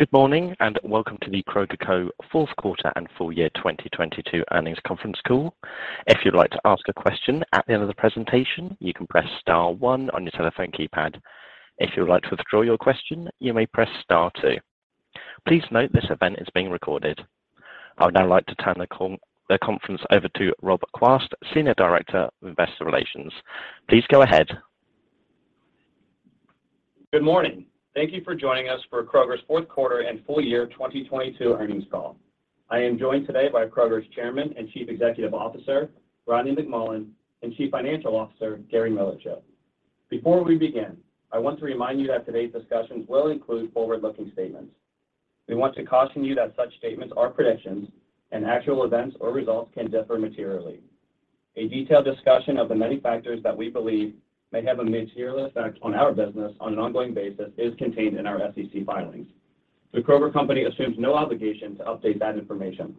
Good morning, welcome to The Kroger Co. Q4 and Full Year 2022 Earnings Conference Call. If you'd like to ask a question at the end of the presentation, you can press Star one on your telephone keypad. If you would like to withdraw your question, you may press Star two. Please note this event is being recorded. I would now like to turn the conference over to Rob Quast, Senior Director of Investor Relations. Please go ahead. Good morning. Thank you for joining us for Kroger's Q4 and Full Year 2022 Earnings Call. I am joined today by Kroger's Chairman and Chief Executive Officer, Rodney McMullen, and Chief Financial Officer, Gary Millerchip. Before we begin, I want to remind you that today's discussions will include forward-looking statements. We want to caution you that such statements are predictions, and actual events or results can differ materially. A detailed discussion of the many factors that we believe may have a material effect on our business on an ongoing basis is contained in our SEC filings. The Kroger Co. assumes no obligation to update that information.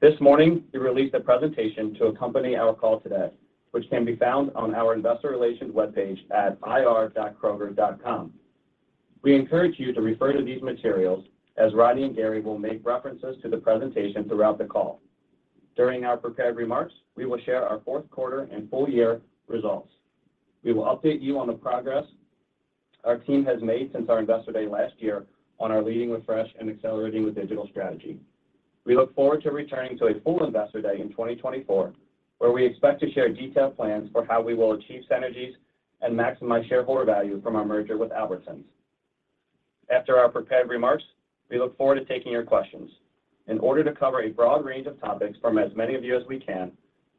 This morning, we released a presentation to accompany our call today, which can be found on our investor relations webpage at ir.kroger.com. We encourage you to refer to these materials as Rodney and Gary will make references to the presentation throughout the call. During our prepared remarks, we will share our Q4 and full year results. We will update you on the progress our team has made since our Investor Day last year on our Leading with Fresh and Accelerating With Digital strategy. We look forward to returning to a full Investor Day in 2024, where we expect to share detailed plans for how we will achieve synergies and maximize shareholder value from our merger with Albertsons. After our prepared remarks, we look forward to taking your questions. In order to cover a broad range of topics from as many of you as we can,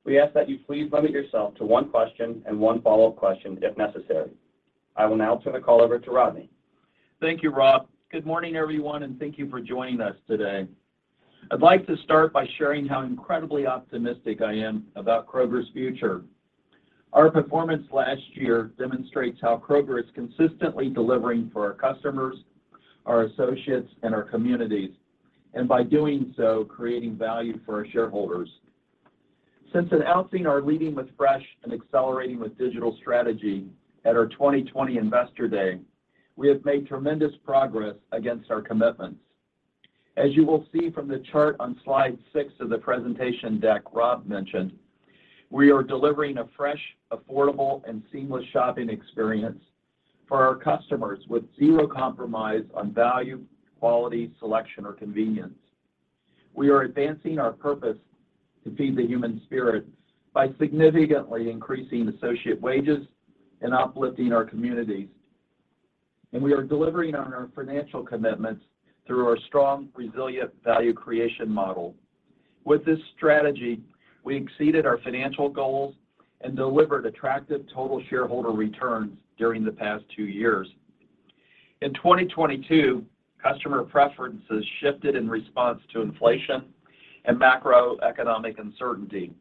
we ask that you please limit yourself to one question and one follow-up question if necessary. I will now turn the call over to Rodney. Thank you, Rob. Good morning, everyone, and thank you for joining us today. I'd like to start by sharing how incredibly optimistic I am about Kroger's future. Our performance last year demonstrates how Kroger is consistently delivering for our customers, our associates, and our communities, and by doing so, creating value for our shareholders. Since announcing our Leading with Fresh and Accelerating With Digital strategy at our 2020 Investor Day, we have made tremendous progress against our commitments. As you will see from the chart on slide six of the presentation deck Rob mentioned, we are delivering a fresh, affordable, and seamless shopping experience for our customers with zero compromise on value, quality, selection, or convenience. We are advancing our purpose to feed the human spirit by significantly increasing associate wages and uplifting our communities. We are delivering on our financial commitments through our strong, resilient value creation model. With this strategy, we exceeded our financial goals and delivered attractive total shareholder returns during the past two years. In 2022, customer preferences shifted in response to inflation and macroeconomic uncertainty.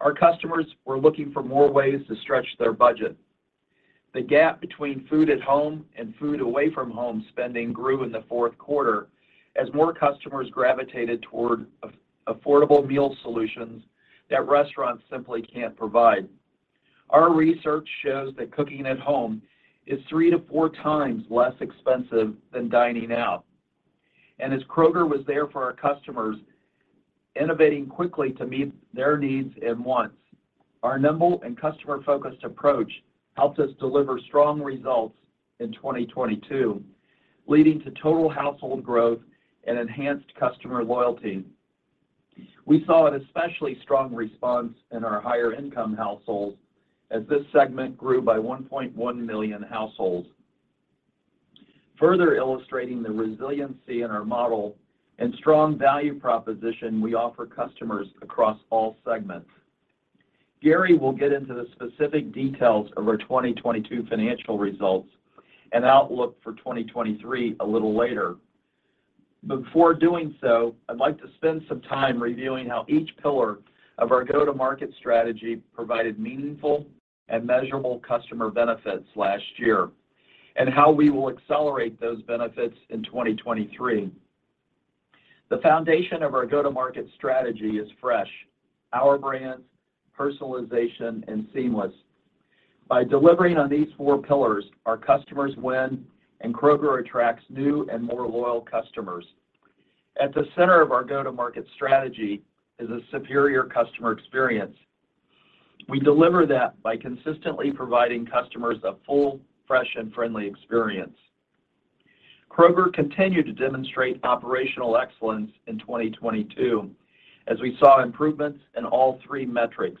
Our customers were looking for more ways to stretch their budget. The gap between food at home and food away from home spending grew in the Q4 as more customers gravitated toward affordable meal solutions that restaurants simply can't provide. Our research shows that cooking at home is three to four times less expensive than dining out. As Kroger was there for our customers, innovating quickly to meet their needs and wants, our nimble and customer-focused approach helped us deliver strong results in 2022, leading to total household growth and enhanced customer loyalty. We saw an especially strong response in our higher income households as this segment grew by 1.1 million households, further illustrating the resiliency in our model and strong value proposition we offer customers across all segments. Gary will get into the specific details of our 2022 financial results and outlook for 2023 a little later. Before doing so, I'd like to spend some time reviewing how each pillar of our go-to-market strategy provided meaningful and measurable customer benefits last year and how we will accelerate those benefits in 2023. The foundation of our go-to-market strategy is fresh, Our Brands, personalization, and seamless. By delivering on these four pillars, our customers win, Kroger attracts new and more loyal customers. At the center of our go-to-market strategy is a superior customer experience. We deliver that by consistently providing customers a full, fresh, and friendly experience. Kroger continued to demonstrate operational excellence in 2022 as we saw improvements in all three metrics.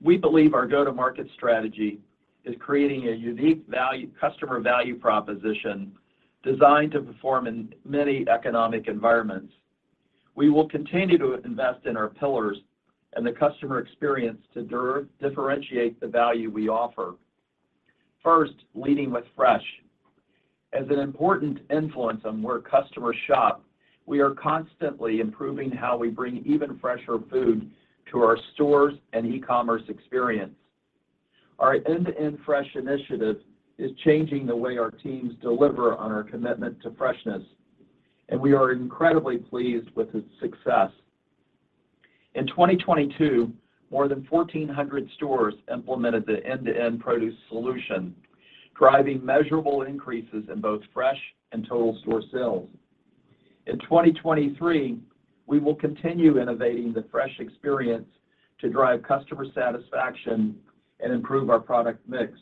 We believe our go-to-market strategy is creating a unique customer value proposition designed to perform in many economic environments. We will continue to invest in our pillars and the customer experience to differentiate the value we offer. First, Leading with Fresh. As an important influence on where customers shop, we are constantly improving how we bring even fresher food to our stores and e-commerce experience. Our end-to-end fresh initiative is changing the way our teams deliver on our commitment to freshness, and we are incredibly pleased with its success. In 2022, more than 1,400 stores implemented the end-to-end produce solution, driving measurable increases in both fresh and total store sales. In 2023, we will continue innovating the fresh experience to drive customer satisfaction and improve our product mix.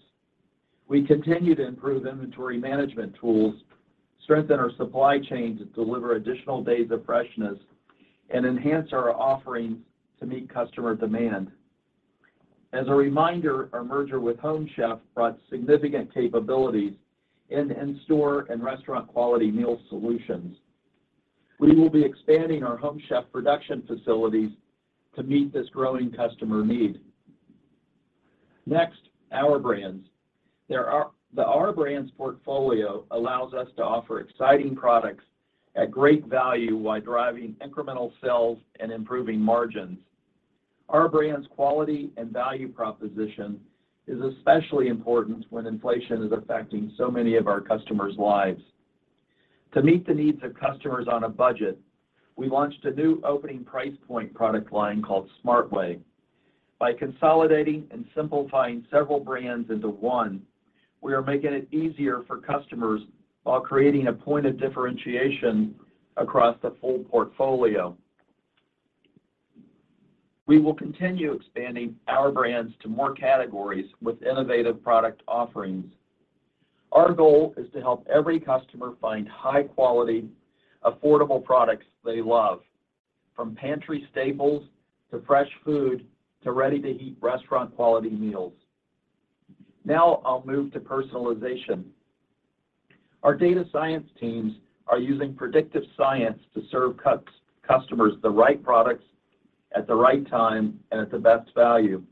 We continue to improve inventory management tools, strengthen our supply chain to deliver additional days of freshness, and enhance our offerings to meet customer demand. As a reminder, our merger with Home Chef brought significant capabilities in in-store and restaurant quality meal solutions. We will be expanding our Home Chef production facilities to meet this growing customer need. Next, Our Brands. The Our Brands portfolio allows us to offer exciting products at great value while driving incremental sales and improving margins. Our Brands' quality and value proposition is especially important when inflation is affecting so many of our customers' lives. To meet the needs of customers on a budget, we launched a new opening price point product line called Smart Way. By consolidating and simplifying several brands into one, we are making it easier for customers while creating a point of differentiation across the full portfolio. We will continue expanding Our Brands to more categories with innovative product offerings. Our goal is to help every customer find high quality, affordable products they love, from pantry staples to fresh food to ready-to-eat restaurant quality meals. I'll move to personalization. Our data science teams are using predictive science to serve customers the right products at the right time and at the best value.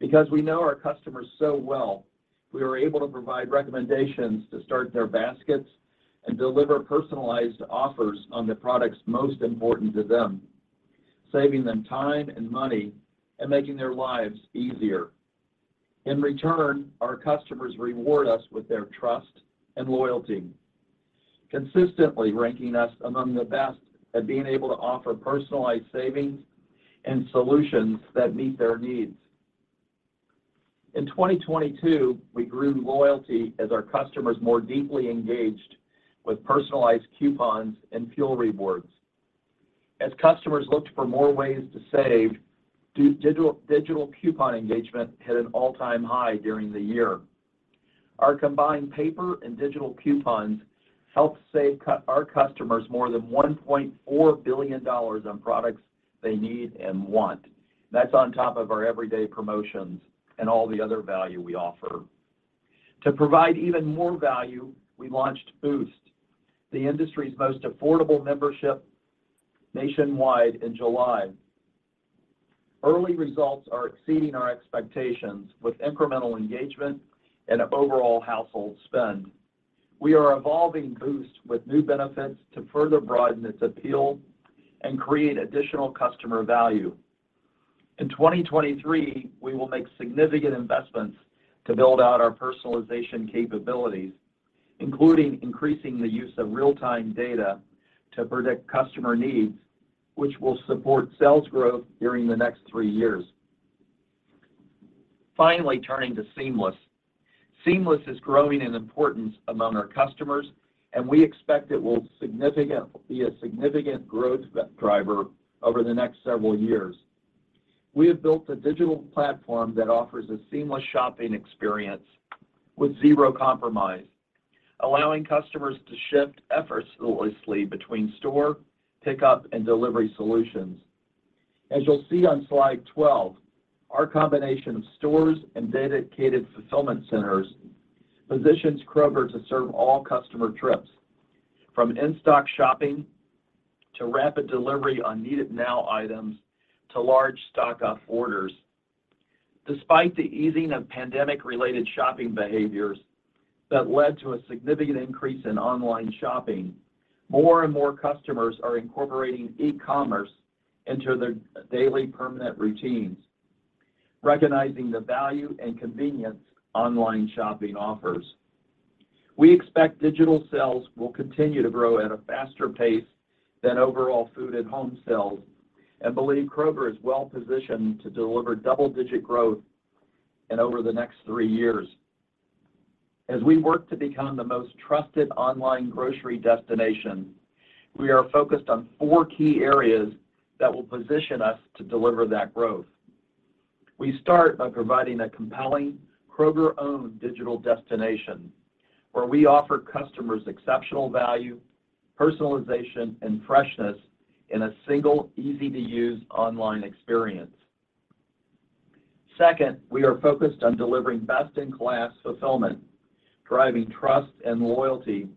We know our customers so well, we are able to provide recommendations to start their baskets and deliver personalized offers on the products most important to them, saving them time and money and making their lives easier. In return, our customers reward us with their trust and loyalty, consistently ranking us among the best at being able to offer personalized savings and solutions that meet their needs. In 2022, we grew loyalty as our customers more deeply engaged with personalized coupons and fuel rewards. As customers looked for more ways to save, digital coupon engagement hit an all-time high during the year. Our combined paper and digital coupons helped save our customers more than $1.4 billion on products they need and want. That's on top of our everyday promotions and all the other value we offer. To provide even more value, we launched Boost, the industry's most affordable membership nationwide in July. Early results are exceeding our expectations with incremental engagement and overall household spend. We are evolving Boost with new benefits to further broaden its appeal and create additional customer value. In 2023, we will make significant investments to build out our personalization capabilities, including increasing the use of real-time data to predict customer needs, which will support sales growth during the next three years. Finally, turning to seamless. Seamless is growing in importance among our customers, and we expect it will be a significant growth driver over the next several years. We have built a digital platform that offers a seamless shopping experience with zero compromise, allowing customers to shift effortlessly between store, pickup, and delivery solutions. As you'll see on slide 12, our combination of stores and dedicated fulfillment centers positions Kroger to serve all customer trips, from in-stock shopping to rapid delivery on needed now items to large stock up orders. Despite the easing of pandemic-related shopping behaviors that led to a significant increase in online shopping, more and more customers are incorporating e-commerce into their daily permanent routines, recognizing the value and convenience online shopping offers. We expect digital sales will continue to grow at a faster pace than overall food at home sales and believe Kroger is well-positioned to deliver double-digit growth in over the next three years. As we work to become the most trusted online grocery destination, we are focused on four key areas that will position us to deliver that growth. We start by providing a compelling Kroger-owned digital destination where we offer customers exceptional value, personalization, and freshness in a single easy-to-use online experience. Second, we are focused on delivering best-in-class fulfillment, driving trust and loyalty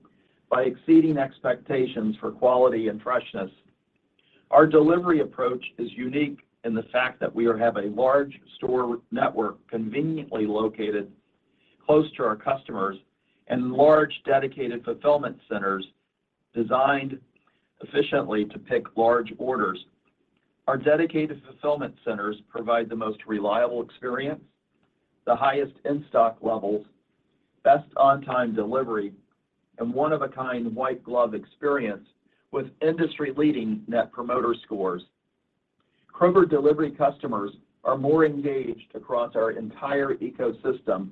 by exceeding expectations for quality and freshness. Our delivery approach is unique in the fact that we have a large store network conveniently located close to our customers and large dedicated fulfillment centers designed efficiently to pick large orders. Our dedicated fulfillment centers provide the most reliable experience, the highest in-stock levels. Best on-time delivery and one-of-a-kind white glove experience with industry-leading net promoter scores. Kroger Delivery customers are more engaged across our entire ecosystem,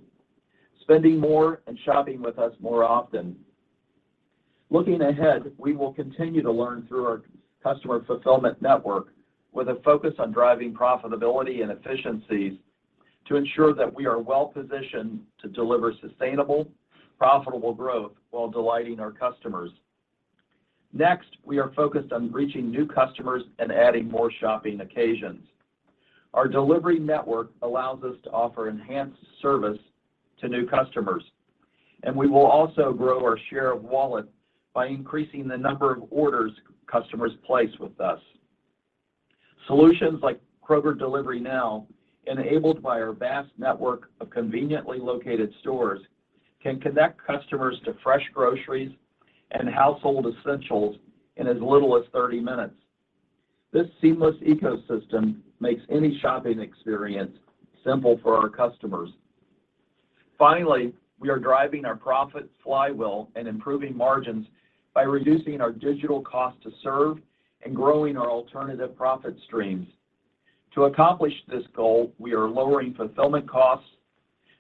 spending more and shopping with us more often. Looking ahead, we will continue to learn through our customer fulfillment network with a focus on driving profitability and efficiencies to ensure that we are well positioned to deliver sustainable, profitable growth while delighting our customers. Next, we are focused on reaching new customers and adding more shopping occasions. Our delivery network allows us to offer enhanced service to new customers, and we will also grow our share of wallet by increasing the number of orders customers place with us. Solutions like Kroger Delivery Now, enabled by our vast network of conveniently located stores, can connect customers to fresh groceries and household essentials in as little as 30 minutes. This seamless ecosystem makes any shopping experience simple for our customers. Finally, we are driving our profit flywheel and improving margins by reducing our digital cost to serve and growing our alternative profit streams. To accomplish this goal, we are lowering fulfillment costs,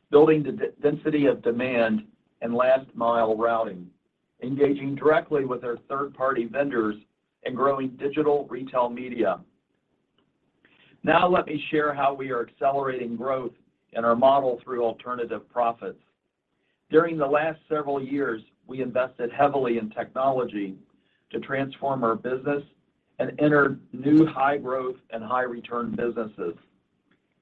building the density of demand and last mile routing, engaging directly with our third-party vendors and growing digital retail media. Now let me share how we are accelerating growth in our model through alternative profits. During the last several years, we invested heavily in technology to transform our business and enter new high growth and high return businesses.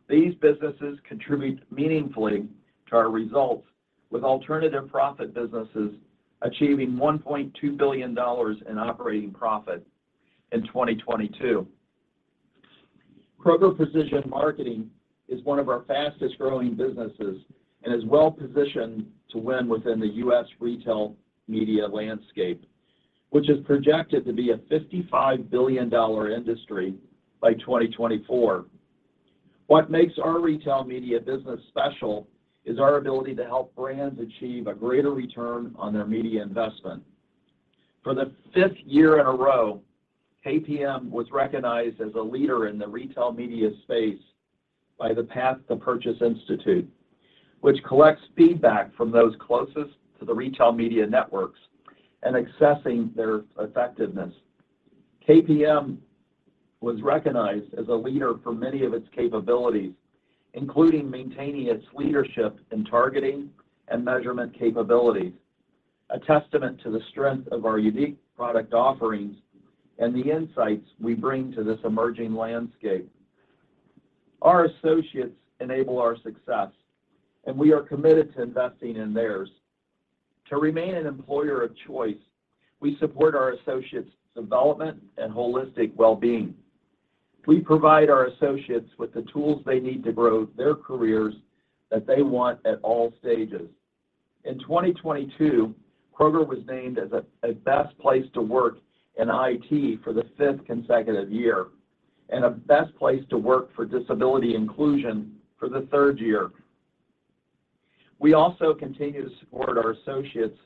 These businesses contribute meaningfully to our results with alternative profit businesses achieving $1.2 billion in operating profit in 2022. Kroger Precision Marketing is one of our fastest growing businesses and is well positioned to win within the U.S. retail media landscape, which is projected to be a $55 billion industry by 2024. What makes our retail media business special is our ability to help brands achieve a greater return on their media investment. For the fifth year in a row, KPM was recognized as a leader in the retail media space by the Path to Purchase Institute, which collects feedback from those closest to the retail media networks and assessing their effectiveness. KPM was recognized as a leader for many of its capabilities, including maintaining its leadership in targeting and measurement capabilities, a testament to the strength of our unique product offerings and the insights we bring to this emerging landscape. Our associates enable our success and we are committed to investing in theirs. To remain an employer of choice, we support our associates' development and holistic well-being. We provide our associates with the tools they need to grow their careers that they want at all stages. In 2022, Kroger was named as a best place to work in IT for the fifth consecutive year and a best place to work for disability inclusion for the third year. We also continue to support our associates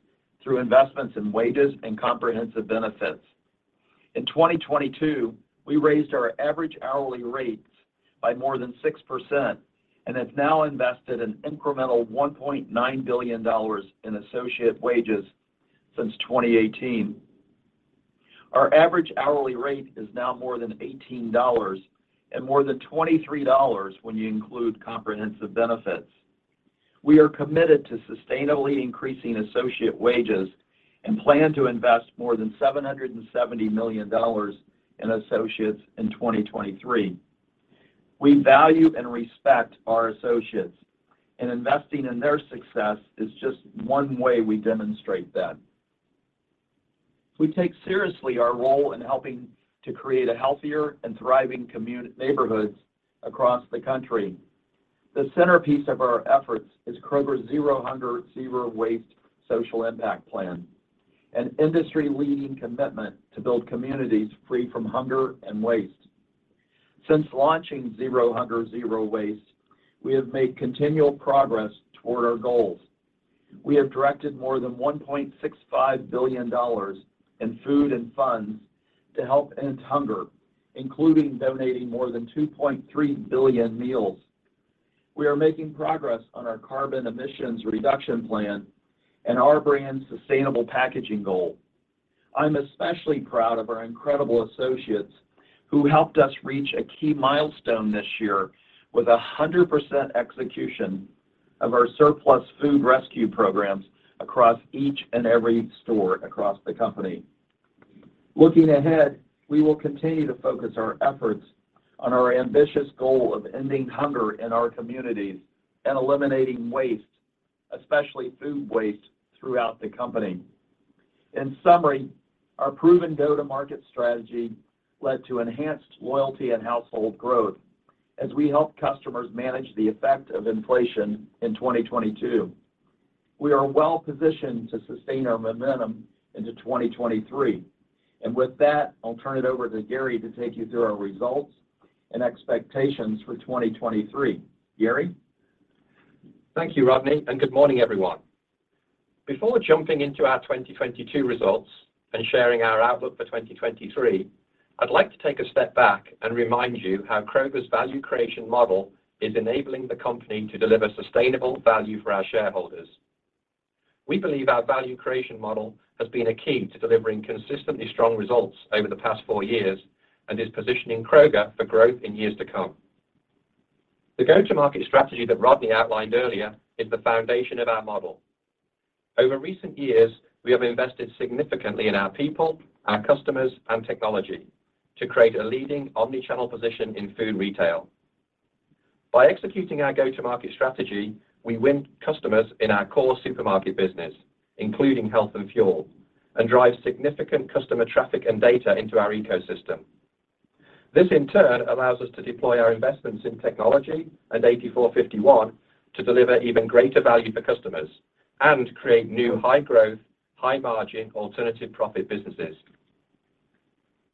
through investments in wages and comprehensive benefits. In 2022, we raised our average hourly rates by more than 6% and have now invested an incremental $1.9 billion in associate wages since 2018. Our average hourly rate is now more than $18 and more than $23 when you include comprehensive benefits. We are committed to sustainably increasing associate wages and plan to invest more than $770 million in associates in 2023. We value and respect our associates, and investing in their success is just one way we demonstrate that. We take seriously our role in helping to create a healthier and thriving neighborhoods across the country. The centerpiece of our efforts is Kroger's Zero Hunger | Zero Waste social impact plan, an industry-leading commitment to build communities free from hunger and waste. Since launching Zero Hunger | Zero Waste, we have made continual progress toward our goals. We have directed more than $1.65 billion in food and funds to help end hunger, including donating more than 2.3 billion meals. We are making progress on our carbon emissions reduction plan and Our Brands' sustainable packaging goal. I'm especially proud of our incredible associates who helped us reach a key milestone this year with 100% execution of our surplus food rescue programs across each and every store across the company. Looking ahead, we will continue to focus our efforts on our ambitious goal of ending hunger in our communities and eliminating waste, especially food waste, throughout the company. In summary, our proven go-to-market strategy led to enhanced loyalty and household growth as we helped customers manage the effect of inflation in 2022. We are well positioned to sustain our momentum into 2023. With that, I'll turn it over to Gary to take you through our results. Expectations for 2023. Gary? Thank you, Rodney, and good morning, everyone. Before jumping into our 2022 results and sharing our outlook for 2023, I'd like to take a step back and remind you how Kroger's value creation model is enabling the company to deliver sustainable value for our shareholders. We believe our value creation model has been a key to delivering consistently strong results over the past four years and is positioning Kroger for growth in years to come. The go-to-market strategy that Rodney outlined earlier is the foundation of our model. Over recent years, we have invested significantly in our people, our customers, and technology to create a leading omni-channel position in food retail. By executing our go-to-market strategy, we win customers in our core supermarket business, including health and fuel, and drive significant customer traffic and data into our ecosystem. This, in turn, allows us to deploy our investments in technology and 84.51° to deliver even greater value for customers and create new high-growth, high-margin alternative profit businesses.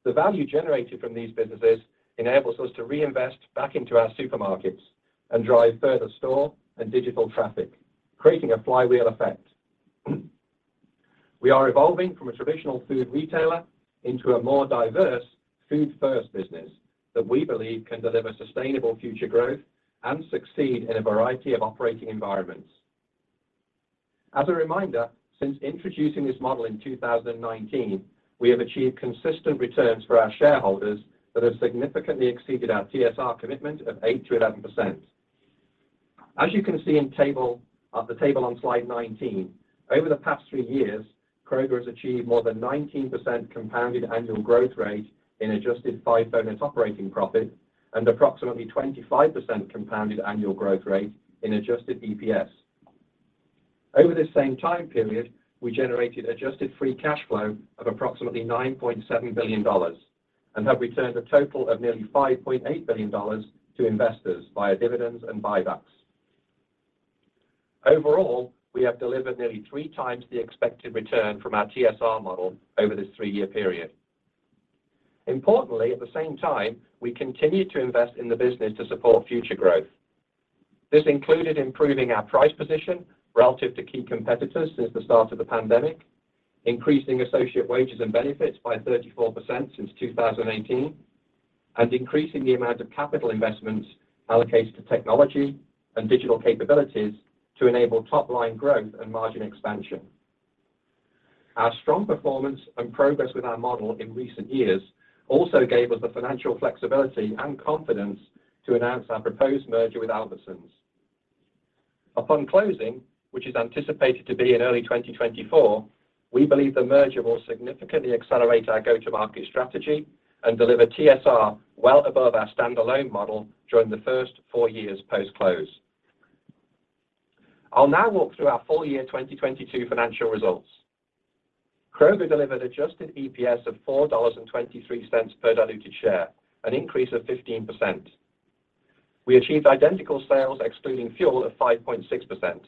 The value generated from these businesses enables us to reinvest back into our supermarkets and drive further store and digital traffic, creating a flywheel effect. We are evolving from a traditional food retailer into a more diverse food-first business that we believe can deliver sustainable future growth and succeed in a variety of operating environments. As a reminder, since introducing this model in 2019, we have achieved consistent returns for our shareholders that have significantly exceeded our TSR commitment of 8%-11%. As you can see in the table on slide 19, over the past three years, Kroger has achieved more than 19% compounded annual growth rate in adjusted FIFO net operating profit and approximately 25% compounded annual growth rate in adjusted EPS. Over this same time period, we generated adjusted free cash flow of approximately $9.7 billion and have returned a total of nearly $5.8 billion to investors via dividends and buybacks. Overall, we have delivered nearly three times the expected return from our TSR model over this three-year period. Importantly, at the same time, we continued to invest in the business to support future growth. This included improving our price position relative to key competitors since the start of the pandemic, increasing associate wages and benefits by 34% since 2018, and increasing the amount of capital investments allocated to technology and digital capabilities to enable top-line growth and margin expansion. Our strong performance and progress with our model in recent years also gave us the financial flexibility and confidence to announce our proposed merger with Albertsons. Upon closing, which is anticipated to be in early 2024, we believe the merger will significantly accelerate our go-to-market strategy and deliver TSR well above our standalone model during the first four years post-close. I'll now walk through our full year 2022 financial results. Kroger delivered adjusted EPS of $4.23 per diluted share, an increase of 15%. We achieved identical sales excluding fuel of 5.6%.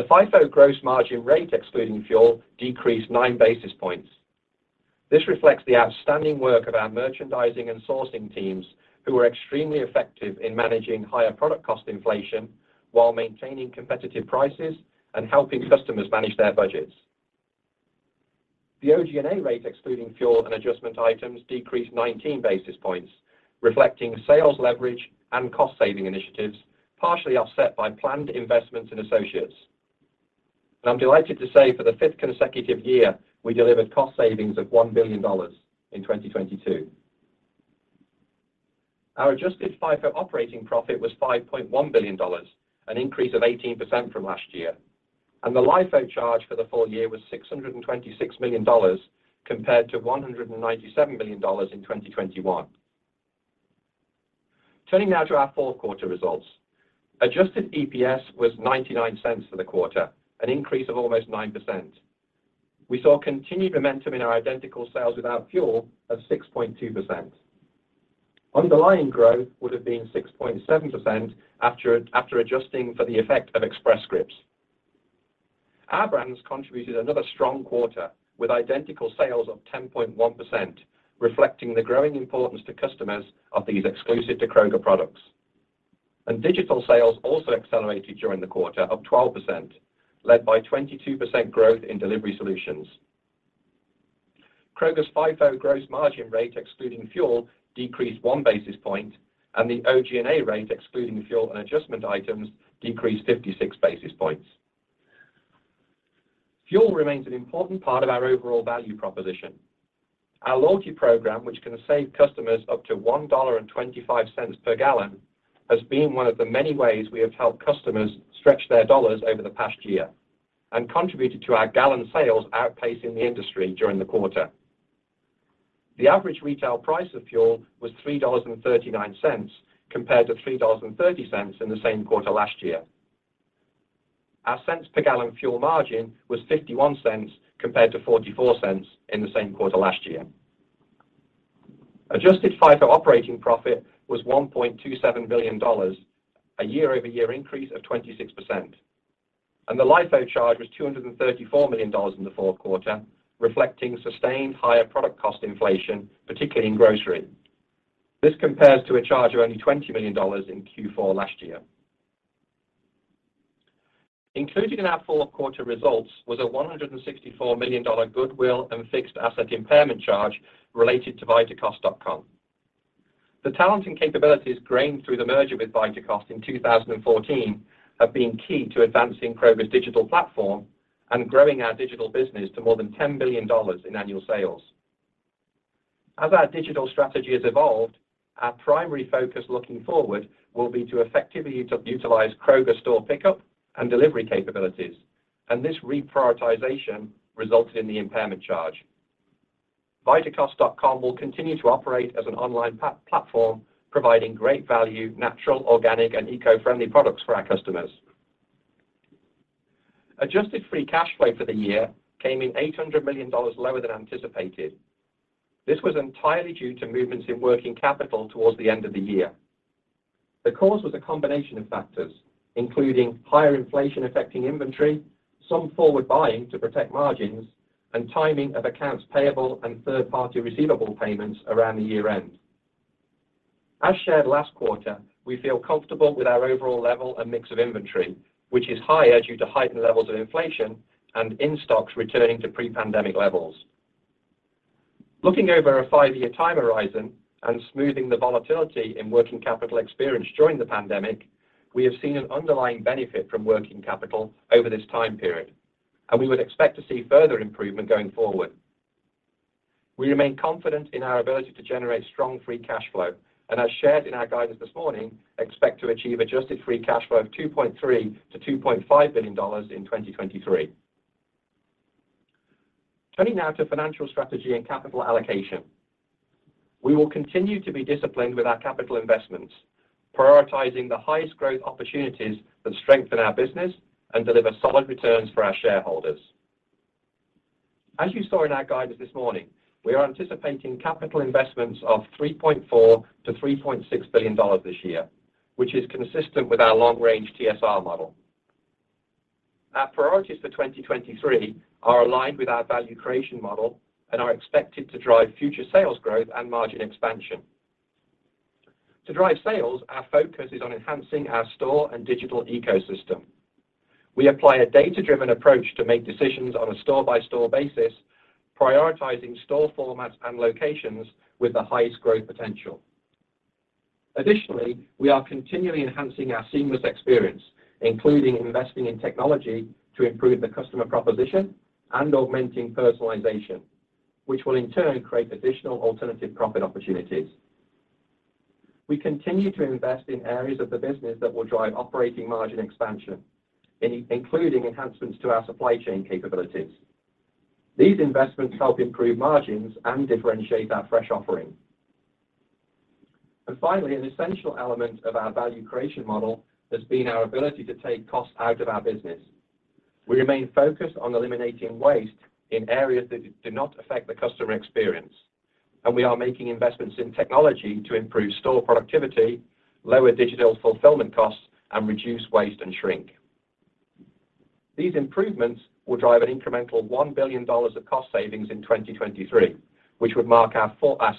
The FIFO gross margin rate excluding fuel decreased nine basis points. This reflects the outstanding work of our merchandising and sourcing teams, who were extremely effective in managing higher product cost inflation while maintaining competitive prices and helping customers manage their budgets. The OG&A rate excluding fuel and adjustment items decreased 19 basis points, reflecting sales leverage and cost-saving initiatives, partially offset by planned investments in associates. I'm delighted to say for the fifth consecutive year, we delivered cost savings of $1 billion in 2022. Our adjusted FIFO operating profit was $5.1 billion, an increase of 18% from last year, and the LIFO charge for the full year was $626 million compared to $197 million in 2021. Turning now to our Q4 results. Adjusted EPS was $0.99 for the quarter, an increase of almost 9%. We saw continued momentum in our identical sales without fuel of 6.2%. Underlying growth would have been 6.7% after adjusting for the effect of Express Scripts. Our brands contributed another strong quarter with identical sales of 10.1%, reflecting the growing importance to customers of these exclusive to Kroger products. Digital sales also accelerated during the quarter of 12%, led by 22% growth in delivery solutions. Kroger's FIFO gross margin rate excluding fuel decreased one basis point, and the OG&A rate excluding fuel and adjustment items decreased 56 basis points. Fuel remains an important part of our overall value proposition. Our loyalty program, which can save customers up to $1.25 per gallon, has been one of the many ways we have helped customers stretch their dollars over the past year and contributed to our gallon sales outpacing the industry during the quarter. The average retail price of fuel was $3.39 compared to $3.30 in the same quarter last year. Our cents per gallon fuel margin was $0.51 compared to $0.44 in the same quarter last year. Adjusted FIFO operating profit was $1.27 billion, a year-over-year increase of 26%. The LIFO charge was $234 million in the Q4, reflecting sustained higher product cost inflation, particularly in grocery. This compares to a charge of only $20 million in Q4 last year. Included in our Q4 results was a $164 million goodwill and fixed asset impairment charge related to Vitacost.com. The talents and capabilities gained through the merger with Vitacost in 2014 have been key to advancing Kroger's digital platform and growing our digital business to more than $10 billion in annual sales. As our digital strategy has evolved, our primary focus looking forward will be to effectively utilize Kroger store pickup and delivery capabilities. This reprioritization resulted in the impairment charge. Vitacost.com will continue to operate as an online platform, providing great value, natural, organic, and eco-friendly products for our customers. Adjusted free cash flow for the year came in $800 million lower than anticipated. This was entirely due to movements in working capital towards the end of the year. The cause was a combination of factors, including higher inflation affecting inventory, some forward buying to protect margins, and timing of accounts payable and third-party receivable payments around the year-end. As shared last quarter, we feel comfortable with our overall level and mix of inventory, which is higher due to heightened levels of inflation and in-stocks returning to pre-pandemic levels. Looking over a five-year time horizon and smoothing the volatility in working capital experienced during the pandemic, we have seen an underlying benefit from working capital over this time period, and we would expect to see further improvement going forward. We remain confident in our ability to generate strong free cash flow and as shared in our guidance this morning, expect to achieve adjusted free cash flow of $2.3 billion-$2.5 billion in 2023. Turning now to financial strategy and capital allocation. We will continue to be disciplined with our capital investments, prioritizing the highest growth opportunities that strengthen our business and deliver solid returns for our shareholders. As you saw in our guidance this morning, we are anticipating capital investments of $3.4 billion-$3.6 billion this year, which is consistent with our long range TSR model. Our priorities for 2023 are aligned with our value creation model and are expected to drive future sales growth and margin expansion. To drive sales, our focus is on enhancing our store and digital ecosystem. We apply a data-driven approach to make decisions on a store-by-store basis, prioritizing store formats and locations with the highest growth potential. Additionally, we are continually enhancing our seamless experience, including investing in technology to improve the customer proposition and augmenting personalization, which will in turn create additional alternative profit opportunities. We continue to invest in areas of the business that will drive operating margin expansion, including enhancements to our supply chain capabilities. These investments help improve margins and differentiate our fresh offering. Finally, an essential element of our value creation model has been our ability to take cost out of our business. We remain focused on eliminating waste in areas that do not affect the customer experience. We are making investments in technology to improve store productivity, lower digital fulfillment costs, and reduce waste and shrink. These improvements will drive an incremental $1 billion of cost savings in 2023, which would mark our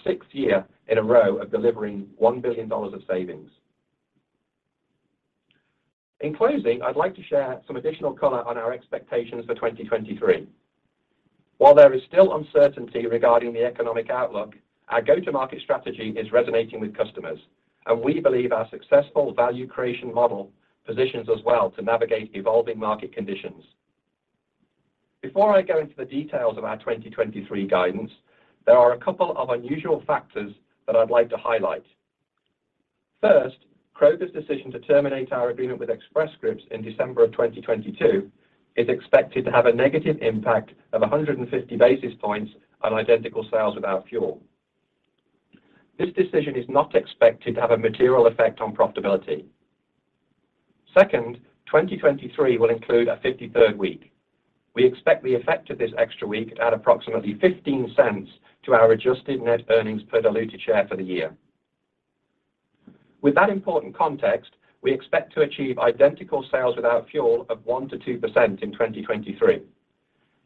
sixth year in a row of delivering $1 billion of savings. In closing, I'd like to share some additional color on our expectations for 2023. While there is still uncertainty regarding the economic outlook, our go-to-market strategy is resonating with customers, and we believe our successful value creation model positions us well to navigate evolving market conditions. Before I go into the details of our 2023 guidance, there are a couple of unusual factors that I'd like to highlight. First, Kroger's decision to terminate our agreement with Express Scripts in December of 2022 is expected to have a negative impact of 150 basis points on identical sales without fuel. This decision is not expected to have a material effect on profitability. Second, 2023 will include a 53rd week. We expect the effect of this extra week at approximately $0.15 to our adjusted net earnings per diluted share for the year. With that important context, we expect to achieve identical sales without fuel of 1%-2% in 2023.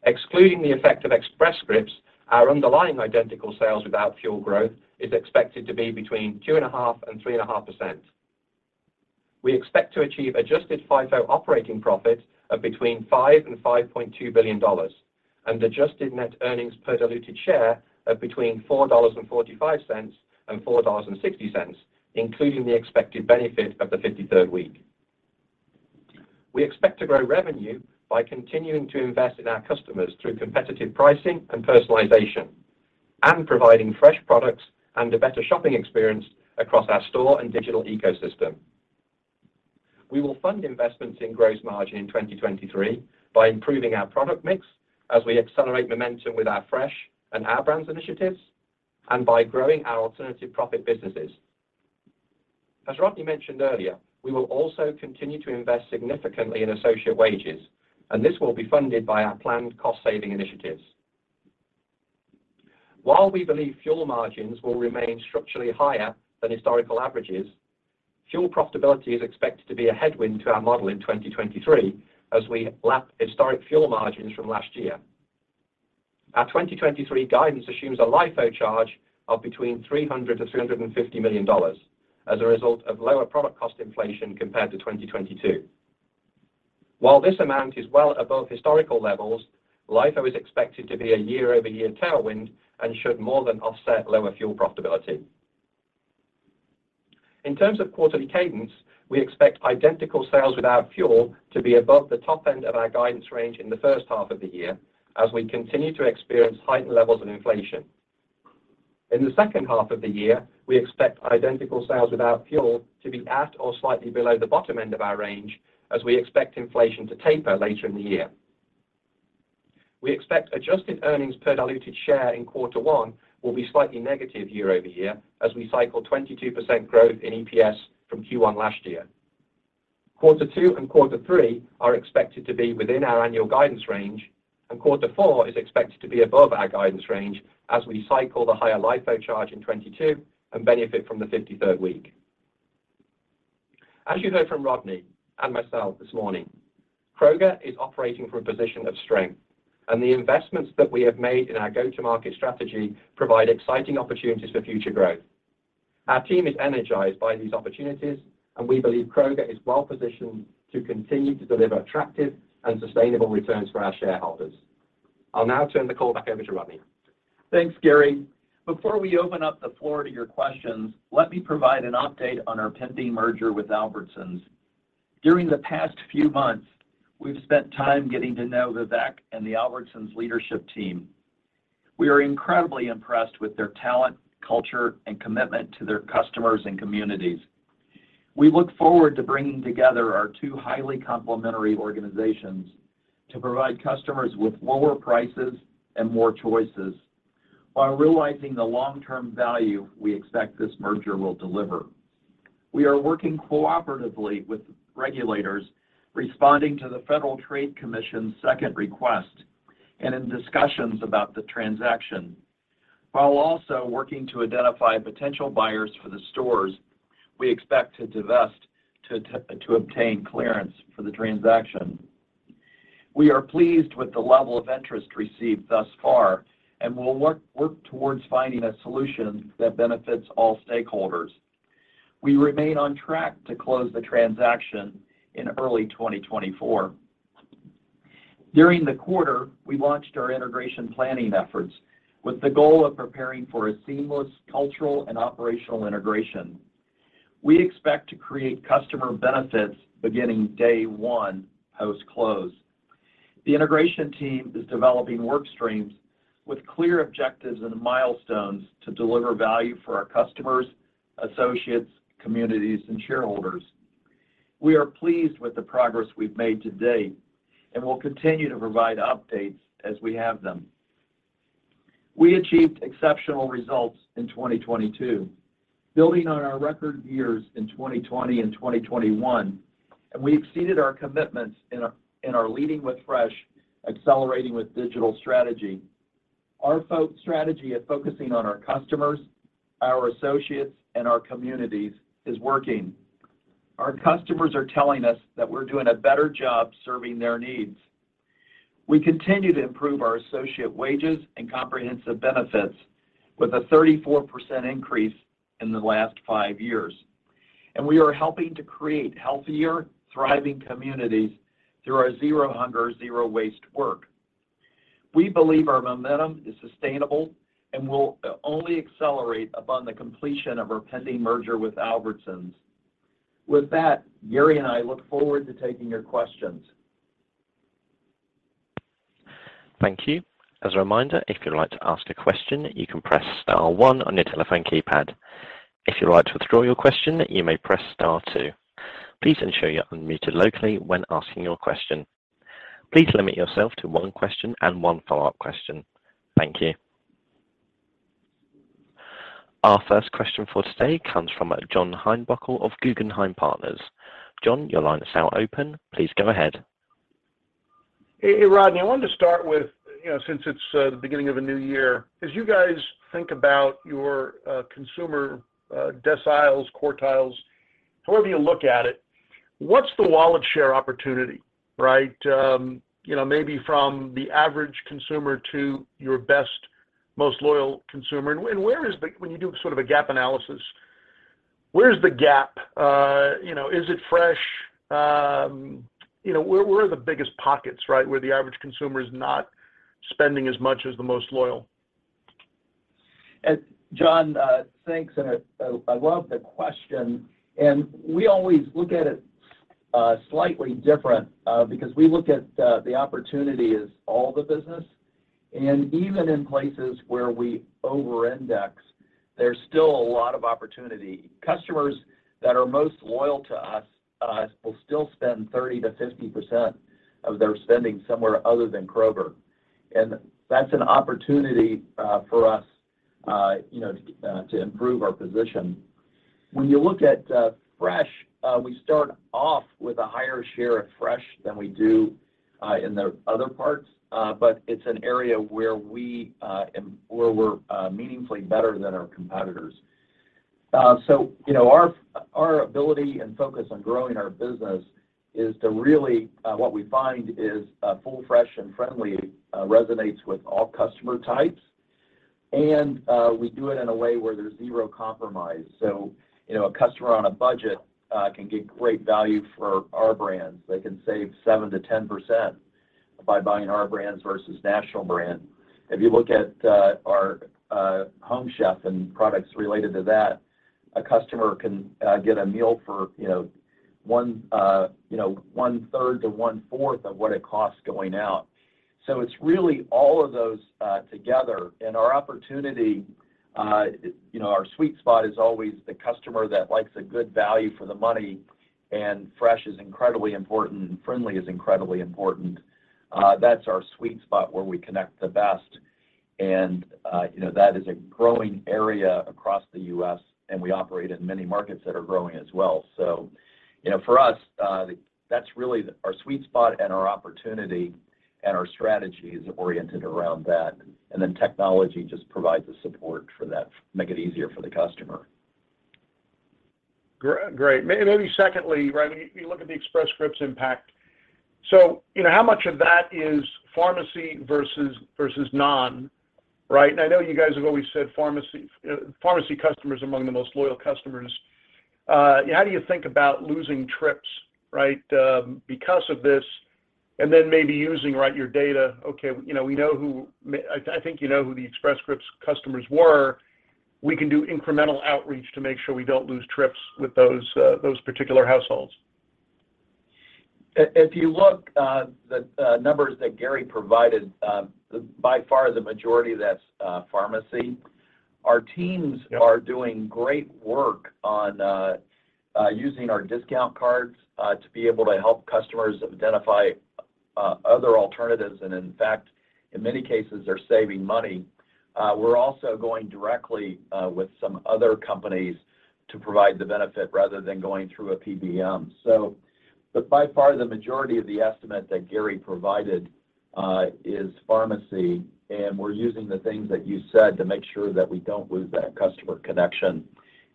Excluding the effect of Express Scripts, our underlying identical sales without fuel growth is expected to be between 2.5% and 3.5%. We expect to achieve adjusted FIFO operating profit of between $5 billion and $5.2 billion and adjusted net earnings per diluted share of between $4.45 and $4.60, including the expected benefit of the 53rd week. We expect to grow revenue by continuing to invest in our customers through competitive pricing and personalization and providing fresh products and a better shopping experience across our store and digital ecosystem. We will fund investments in gross margin in 2023 by improving our product mix as we accelerate momentum with our fresh and Our Brands initiatives and by growing our alternative profit businesses. As Rodney mentioned earlier, we will also continue to invest significantly in associate wages. This will be funded by our planned cost-saving initiatives. While we believe fuel margins will remain structurally higher than historical averages, fuel profitability is expected to be a headwind to our model in 2023 as we lap historic fuel margins from last year. Our 2023 guidance assumes a LIFO charge of between $300 million-$350 million as a result of lower product cost inflation compared to 2022. While this amount is well above historical levels, LIFO is expected to be a year-over-year tailwind and should more than offset lower fuel profitability. In terms of quarterly cadence, we expect identical sales without fuel to be above the top end of our guidance range in the first half of the year as we continue to experience heightened levels of inflation. In the second half of the year, we expect identical sales without fuel to be at or slightly below the bottom end of our range as we expect inflation to taper later in the year. We expect adjusted earnings per diluted share in Q1 will be slightly negative year-over-year as we cycle 22% growth in EPS from Q1 last year. Q2 and Q3 are expected to be within our annual guidance range, and Q4 is expected to be above our guidance range as we cycle the higher LIFO charge in 2022 and benefit from the 53rd week. As you heard from Rodney and myself this morning, Kroger is operating from a position of strength, and the investments that we have made in our go-to-market strategy provide exciting opportunities for future growth. Our team is energized by these opportunities, and we believe Kroger is well positioned to continue to deliver attractive and sustainable returns for our shareholders. I'll now turn the call back over to Rodney. Thanks, Gary. Before we open up the floor to your questions, let me provide an update on our pending merger with Albertsons. During the past few months, we've spent time getting to know Vivek and the Albertsons leadership team. We are incredibly impressed with their talent, culture, and commitment to their customers and communities. We look forward to bringing together our two highly complementary organizations to provide customers with lower prices and more choices while realizing the long-term value we expect this merger will deliver. We are working cooperatively with regulators responding to the Federal Trade Commission's second request and in discussions about the transaction while also working to identify potential buyers for the stores we expect to divest to obtain clearance for the transaction. We are pleased with the level of interest received thus far and will work towards finding a solution that benefits all stakeholders. We remain on track to close the transaction in early 2024. During the quarter, we launched our integration planning efforts with the goal of preparing for a seamless cultural and operational integration. We expect to create customer benefits beginning day one post-close. The integration team is developing work streams with clear objectives and milestones to deliver value for our customers, associates, communities, and shareholders. We are pleased with the progress we've made to date and will continue to provide updates as we have them. We achieved exceptional results in 2022, building on our record years in 2020 and 2021, and we exceeded our commitments in our Leading with Fresh, Accelerating With Digital strategy. Our strategy at focusing on our customers, our associates, and our communities is working. Our customers are telling us that we're doing a better job serving their needs. We continue to improve our associate wages and comprehensive benefits with a 34% increase in the last five years. We are helping to create healthier, thriving communities through our Zero Hunger | Zero Waste work. We believe our momentum is sustainable and will only accelerate upon the completion of our pending merger with Albertsons. With that, Gary and I look forward to taking your questions. Thank you. As a reminder, if you'd like to ask a question, you can press star one on your telephone keypad. If you'd like to withdraw your question, you may press star two. Please ensure you're unmuted locally when asking your question. Please limit yourself to one question and one follow-up question. Thank you. Our first question for today comes from John Heinbockel of Guggenheim Partners. John, your line is now open. Please go ahead. Hey, Rodney. I wanted to start with, you know, since it's the beginning of a new year, as you guys think about your consumer deciles, quartiles, however you look at it, what's the wallet share opportunity, right? You know, maybe from the average consumer to your best, most loyal consumer. When you do sort of a gap analysis, where's the gap? You know, is it fresh? You know, where are the biggest pockets, right? Where the average consumer is not spending as much as the most loyal. John, thanks, and I love the question. We always look at it slightly different because we look at the opportunity as all the business, and even in places where we over-index, there's still a lot of opportunity. Customers that are most loyal to us will still spend 30%-50% of their spending somewhere other than Kroger, and that's an opportunity for us, you know, to improve our position. When you look at fresh, we start off with a higher share of fresh than we do in the other parts. It's an area where we and where we're meaningfully better than our competitors. you know, our ability and focus on growing our business is to really what we find is full, fresh, and friendly resonates with all customer types, and we do it in a way where there's zero compromise. you know, a customer on a budget can get great value for Our Brands. They can save 7%-10% by buying Our Brands versus national brand. If you look at our Home Chef and products related to that, a customer can get a meal for, you know, 1/3 to 1/4 of what it costs going out. It's really all of those together, and our opportunity, you know, our sweet spot is always the customer that likes a good value for the money, and fresh is incredibly important, and friendly is incredibly important. That's our sweet spot where we connect the best and, you know, that is a growing area across the U.S., and we operate in many markets that are growing as well. You know, for us, that's really our sweet spot and our opportunity, and our strategy is oriented around that, and then technology just provides the support for that. Make it easier for the customer. Great. Maybe secondly, right, when you look at the Express Scripts impact. You know, how much of that is pharmacy versus non, right? I know you guys have always said pharmacy customers are among the most loyal customers. How do you think about losing trips, right, because of this and then maybe using, right, your data? Okay. You know, we know who may... I think you know who the Express Scripts customers were. We can do incremental outreach to make sure we don't lose trips with those particular households. If you look the numbers that Gary provided, by far the majority of that's pharmacy. Yep. -are doing great work on using our discount cards to be able to help customers identify other alternatives and in fact, in many cases they're saving money. We're also going directly with some other companies to provide the benefit rather than going through a PBM. By far the majority of the estimate that Gary provided is pharmacy, and we're using the things that you said to make sure that we don't lose that customer connection,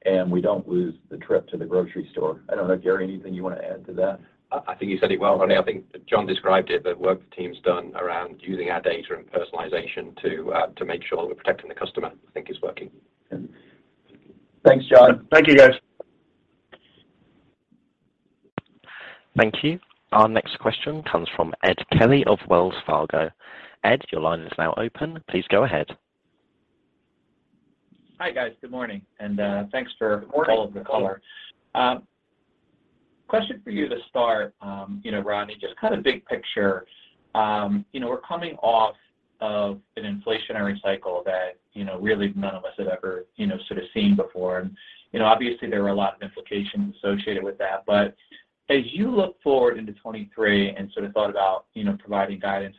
and we don't lose the trip to the grocery store. I don't know, Gary, anything you want to add to that? I think you said it well, Rodney. I think John described it, the work the team's done around using our data and personalization to make sure we're protecting the customer, I think is working. Thanks, John. Thank you, guys. Thank you. Our next question comes from Ed Kelly of Wells Fargo. Ed, your line is now open. Please go ahead. Hi, guys. Good morning. Good morning. -calling the call. Question for you to start, you know, Rodney, just kind of big picture. You know, we're coming off of an inflationary cycle that, you know, really none of us have ever, you know, sort of seen before. Obviously there were a lot of implications associated with that. As you look forward into 2023 and sort of thought about, you know, providing guidance,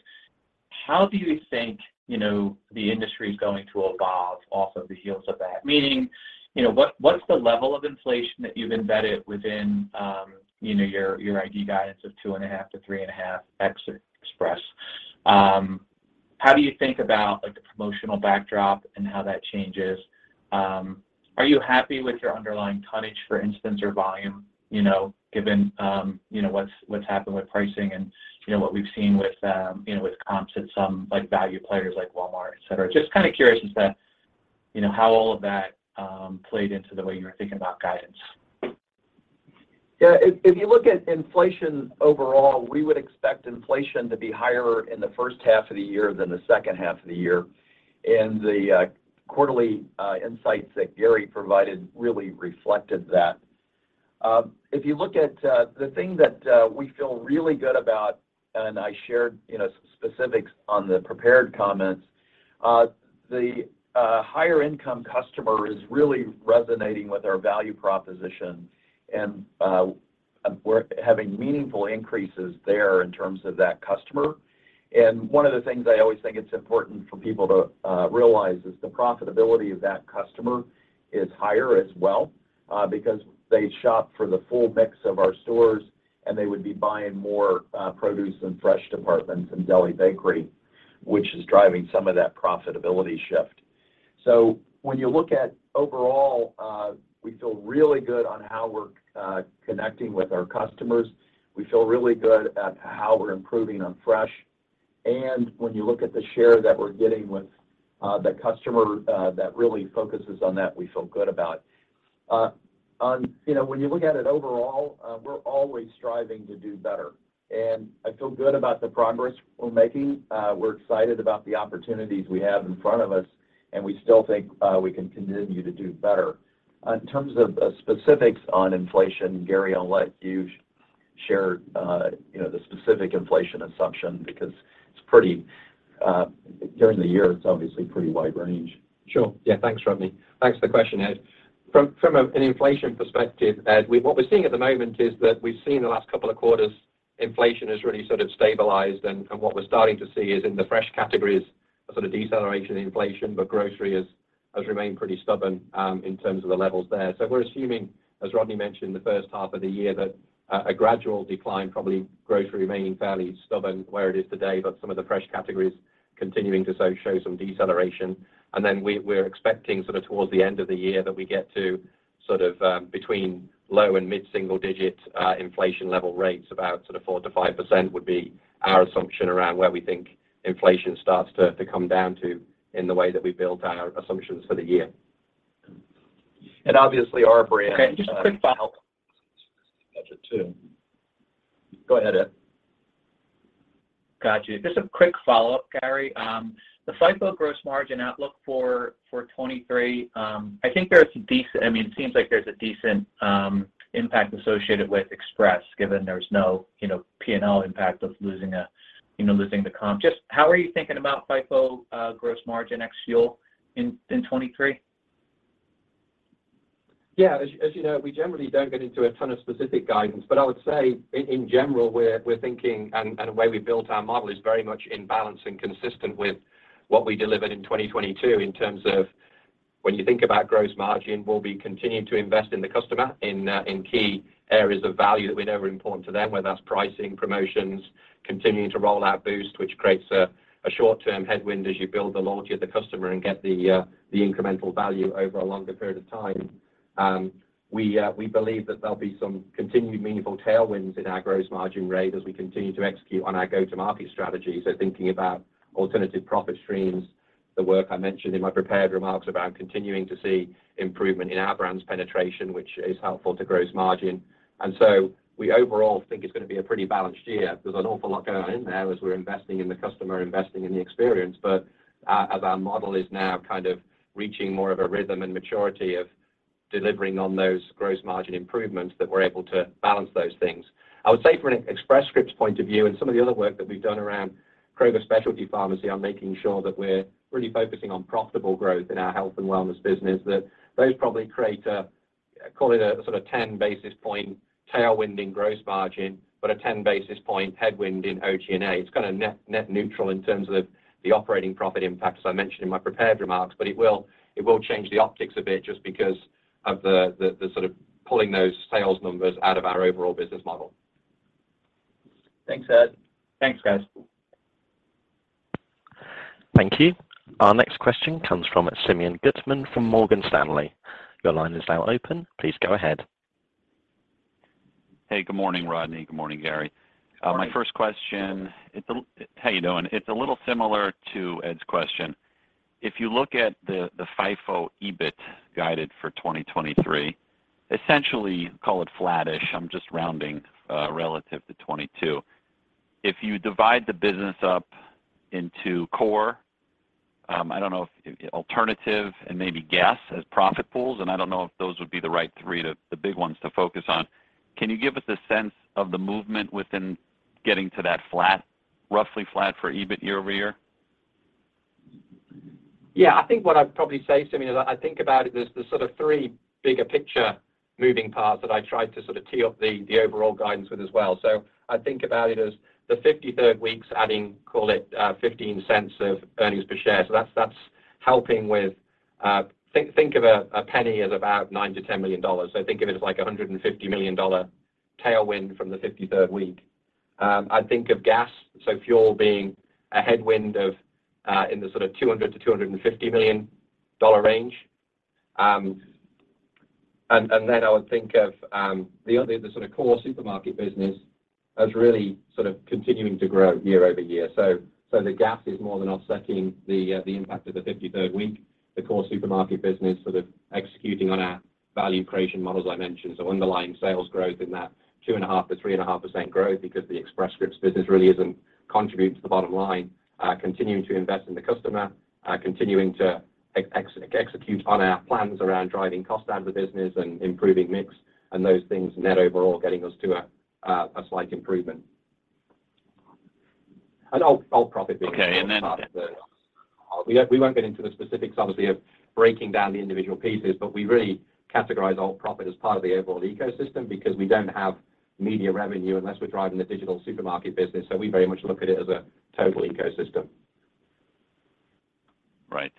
how do you think, you know, the industry's going to evolve off of the heels of that? Meaning, you know, what's the level of inflation that you've embedded within, you know, your ID guidance of 2.5%-3.5% ex or express? How do you think about like the promotional backdrop and how that changes? Are you happy with your underlying tonnage, for instance, or volume, you know, given, you know, what's happened with pricing and, you know, what we've seen with, you know, with comps at some like value players like Walmart, et cetera? Just kind of curious as to, you know, how all of that played into the way you were thinking about guidance. Yeah. If you look at inflation overall, we would expect inflation to be higher in the first half of the year than the second half of the year. The quarterly insights that Gary provided really reflected that. If you look at the thing that we feel really good about, and I shared, you know, specifics on the prepared comments, the higher income customer is really resonating with our value proposition. We're having meaningful increases there in terms of that customer. One of the things I always think it's important for people to realize is the profitability of that customer is higher as well, because they shop for the full mix of our stores, and they would be buying more produce and fresh departments and deli bakery, which is driving some of that profitability shift. When you look at overall, we feel really good on how we're connecting with our customers. We feel really good at how we're improving on fresh. When you look at the share that we're getting with the customer, that really focuses on that, we feel good about. You know, when you look at it overall, we're always striving to do better. I feel good about the progress we're making. We're excited about the opportunities we have in front of us, and we still think we can continue to do better. In terms of specifics on inflation, Gary, I'll let you share, you know, the specific inflation assumption because it's pretty, during the year, it's obviously pretty wide range. Sure. Yeah. Thanks, Rodney. Thanks for the question, Ed. From an inflation perspective, Ed, what we're seeing at the moment is that we've seen the last couple of quarters, inflation has really sort of stabilized. What we're starting to see is in the fresh categories, a sort of deceleration in inflation, but grocery has remained pretty stubborn in terms of the levels there. We're assuming, as Rodney mentioned, the first half of the year, that a gradual decline, probably grocery remaining fairly stubborn where it is today. Some of the fresh categories continuing to show some deceleration. We're expecting sort of towards the end of the year that we get to sort of, between low and mid-single digit, inflation level rates about sort of 4%-5% would be our assumption around where we think inflation starts to come down to in the way that we built our assumptions for the year. And obviously our brand- Okay, just a quick follow-up. Budget too. Go ahead, Ed. Got you. Just a quick follow-up, Gary. The FIFO gross margin outlook for 23. I think there is, I mean, it seems like there's a decent impact associated with Express given there's no, you know, P&L impact of losing a, you know, losing the comp. Just how are you thinking about FIFO gross margin ex fuel in 23? Yeah. As you know, we generally don't get into a ton of specific guidance. I would say in general, we're thinking and the way we built our model is very much in balance and consistent with what we delivered in 2022 in terms of when you think about gross margin, we'll be continuing to invest in the customer in key areas of value that we know are important to them, whether that's pricing, promotions, continuing to roll out Boost, which creates a short-term headwind as you build the loyalty of the customer and get the incremental value over a longer period of time. We believe that there'll be some continued meaningful tailwinds in our gross margin rate as we continue to execute on our go-to-market strategy. Thinking about alternative profit streams, the work I mentioned in my prepared remarks about continuing to see improvement in Our Brands penetration, which is helpful to gross margin. We overall think it's going to be a pretty balanced year. There's an awful lot going on in there as we're investing in the customer, investing in the experience. As our model is now kind of reaching more of a rhythm and maturity of delivering on those gross margin improvements that we're able to balance those things. I would say from an Express Scripts point of view and some of the other work that we've done around Kroger Specialty Pharmacy on making sure that we're really focusing on profitable growth in our health and wellness business, that those probably create a, call it a sort of 10 basis point tailwind in gross margin, but a 10 basis point headwind in OG&A. It's kind of net neutral in terms of the operating profit impact, as I mentioned in my prepared remarks. It will change the optics a bit just because of the sort of pulling those sales numbers out of our overall business model. Thanks, Ed. Thanks, guys. Thank you. Our next question comes from Simeon Gutman from Morgan Stanley. Your line is now open. Please go ahead. Hey, good morning, Rodney. Good morning, Gary. Morning. My first question, how you doing? It's a little similar to Ed's question. If you look at the FIFO EBIT guided for 2023, essentially call it flattish. I'm just rounding, relative to 22. If you divide the business up into core, I don't know if alternative and maybe gas as profit pools, and I don't know if those would be the right three to the big ones to focus on. Can you give us a sense of the movement within getting to that flat, roughly flat for EBIT year-over-year? Yeah. I think what I'd probably say, Simeon, is I think about it as the sort of three bigger picture moving parts that I tried to sort of tee up the overall guidance with as well. I think about it as the 53rd week's adding, call it, $0.15 of earnings per share. That's, that's helping with, think of a penny as about $9 million-$10 million. Think of it as like a $150 million tailwind from the 53rd week. I'd think of gas, so fuel being a headwind of in the sort of $200 million-$250 million range. And then I would think of the sort of core supermarket business as really sort of continuing to grow year-over-year. The gas is more than offsetting the impact of the 53rd week. The core supermarket business sort of executing on our value creation models I mentioned. Underlying sales growth in that 2.5%-3.5% growth because the Express Scripts business really isn't contributing to the bottom line. Continuing to invest in the customer, continuing to execute on our plans around driving cost out of the business and improving mix and those things net overall getting us to a slight improvement. All profit. Okay. We won't get into the specifics obviously of breaking down the individual pieces, but we really categorize all profit as part of the overall ecosystem because we don't have media revenue unless we're driving the digital supermarket business. We very much look at it as a total ecosystem. Right.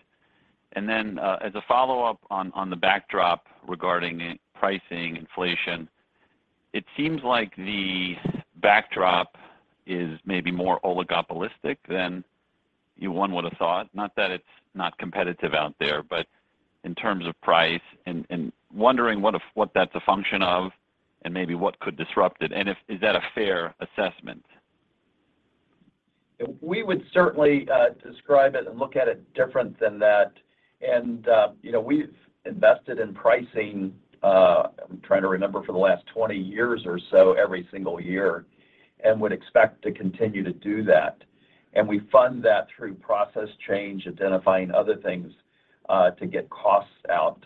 As a follow-up on the backdrop regarding pricing inflation, it seems like the backdrop is maybe more oligopolistic than you one would've thought, not that it's not competitive out there, but in terms of price and, wondering what that's a function of and maybe what could disrupt it and is that a fair assessment? We would certainly, describe it and look at it different than that. You know, we've invested in pricing, I'm trying to remember for the last 20 years or so, every single year, and would expect to continue to do that. We fund that through process change, identifying other things, to get costs out.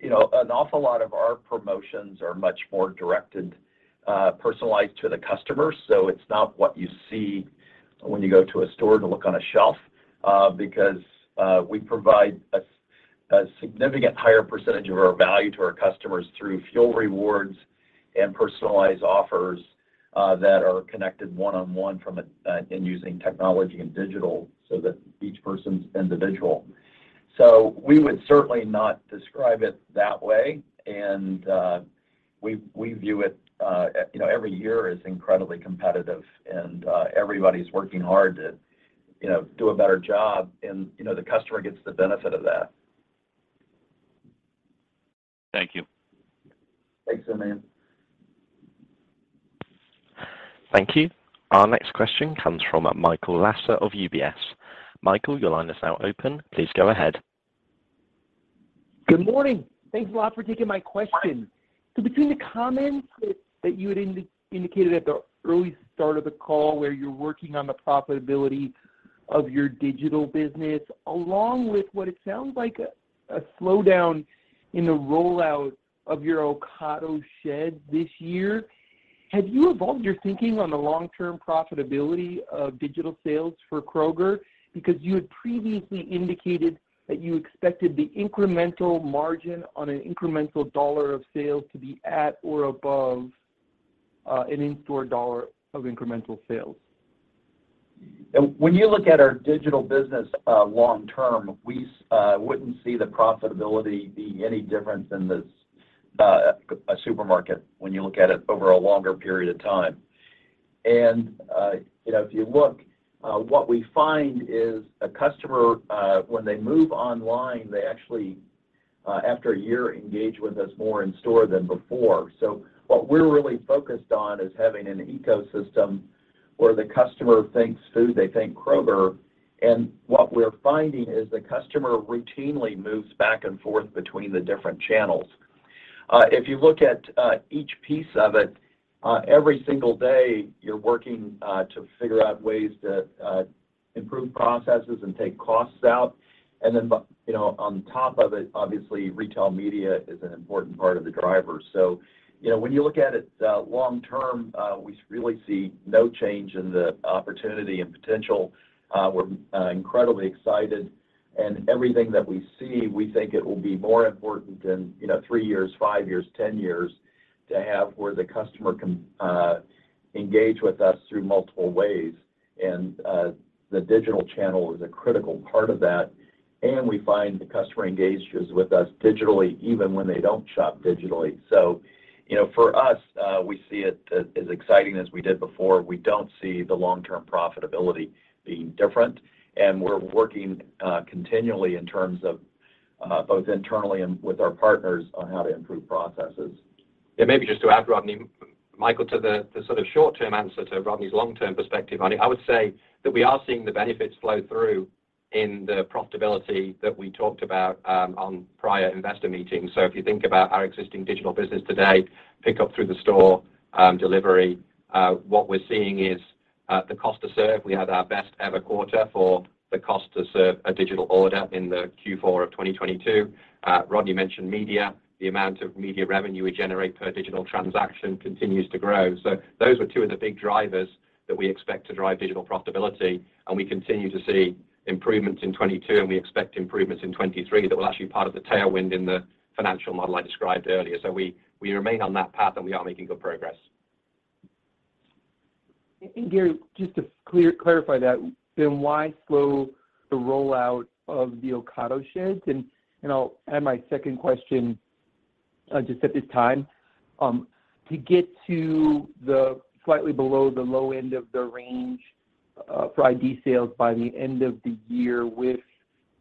You know, an awful lot of our promotions are much more directed, personalized to the customer. It's not what you see when you go to a store to look on a shelf, because we provide A significant higher percentage of our value to our customers through fuel rewards and personalized offers, that are connected one-on-one from a in using technology and digital so that each person's individual. We would certainly not describe it that way, and we view it, you know, every year as incredibly competitive and everybody's working hard to, you know, do a better job and, you know, the customer gets the benefit of that. Thank you. Thanks, Aman. Thank you. Our next question comes from Michael Lasser of UBS. Michael, your line is now open. Please go ahead. Good morning. Thanks a lot for taking my question. Between the comments that you had indicated at the early start of the call where you're working on the profitability of your digital business, along with what it sounds like a slowdown in the rollout of your Ocado shed this year, have you evolved your thinking on the long-term profitability of digital sales for Kroger? You had previously indicated that you expected the incremental margin on an incremental $1 of sales to be at or above an in-store $1 of incremental sales. When you look at our digital business, long term, we wouldn't see the profitability being any different than a supermarket when you look at it over a longer period of time. You know, if you look, what we find is a customer, when they move online, they actually, after a year, engage with us more in store than before. What we're really focused on is having an ecosystem where the customer thinks food, they think Kroger. What we're finding is the customer routinely moves back and forth between the different channels. If you look at each piece of it, every single day you're working to figure out ways to improve processes and take costs out. You know, on top of it, obviously retail media is an important part of the driver. You know, when you look at it, long term, we really see no change in the opportunity and potential. We're incredibly excited and everything that we see, we think it will be more important in, you know, three years, five years, 10 years to have where the customer can engage with us through multiple ways and the digital channel is a critical part of that. We find the customer engages with us digitally even when they don't shop digitally. You know, for us, we see it as exciting as we did before. We don't see the long-term profitability being different, and we're working continually in terms of both internally and with our partners on how to improve processes. Maybe just to add, Rodney, Michael, to the sort of short-term answer to Rodney's long-term perspective on it. I would say that we are seeing the benefits flow through in the profitability that we talked about on prior investor meetings. If you think about our existing digital business today, pick up through the store, delivery, what we're seeing is the cost to serve. We had our best ever quarter for the cost to serve a digital order in the Q4 of 2022. Rodney mentioned media. The amount of media revenue we generate per digital transaction continues to grow. Those were two of the big drivers that we expect to drive digital profitability, and we continue to see improvements in 2022, and we expect improvements in 2023 that will actually be part of the tailwind in the financial model I described earlier. We remain on that path, and we are making good progress. Gary, just to clarify that, then why slow the rollout of the Ocado sheds? You know, I'll add my second question just at this time. To get to the slightly below the low end of the range for ID sales by the end of the year with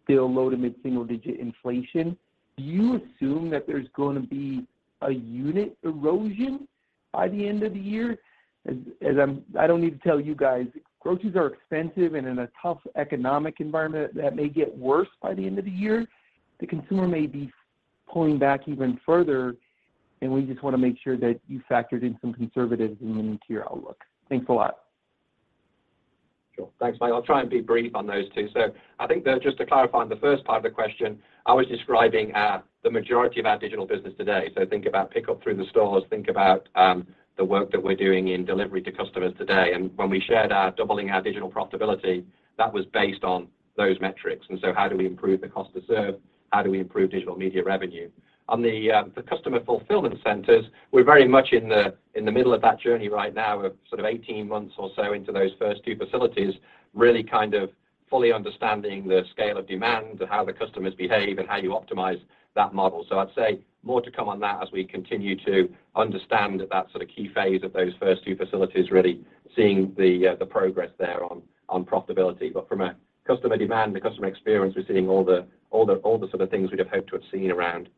still low to mid-single digit inflation, do you assume that there's going to be a unit erosion by the end of the year? As I don't need to tell you guys, groceries are expensive and in a tough economic environment that may get worse by the end of the year. The consumer may be pulling back even further, and we just want to make sure that you factored in some conservatives in the outlook. Thanks a lot. Sure. Thanks, Michael. I'll try and be brief on those two. I think that just to clarify on the first part of the question, I was describing the majority of our digital business today. Think about pickup through the stores, think about the work that we're doing in delivery to customers today. When we shared our doubling our digital profitability, that was based on those metrics. How do we improve the cost to serve? How do we improve digital media revenue? On the customer fulfillment centers, we're very much in the middle of that journey right now. We're sort of 18 months or so into those first two facilities, really kind of fully understanding the scale of demand, how the customers behave, and how you optimize that model. I'd say more to come on that as we continue to understand that sort of key phase of those first two facilities, really seeing the progress there on profitability. But from a customer demand and customer experience, we're seeing all the sort of things we'd have hoped to have seen around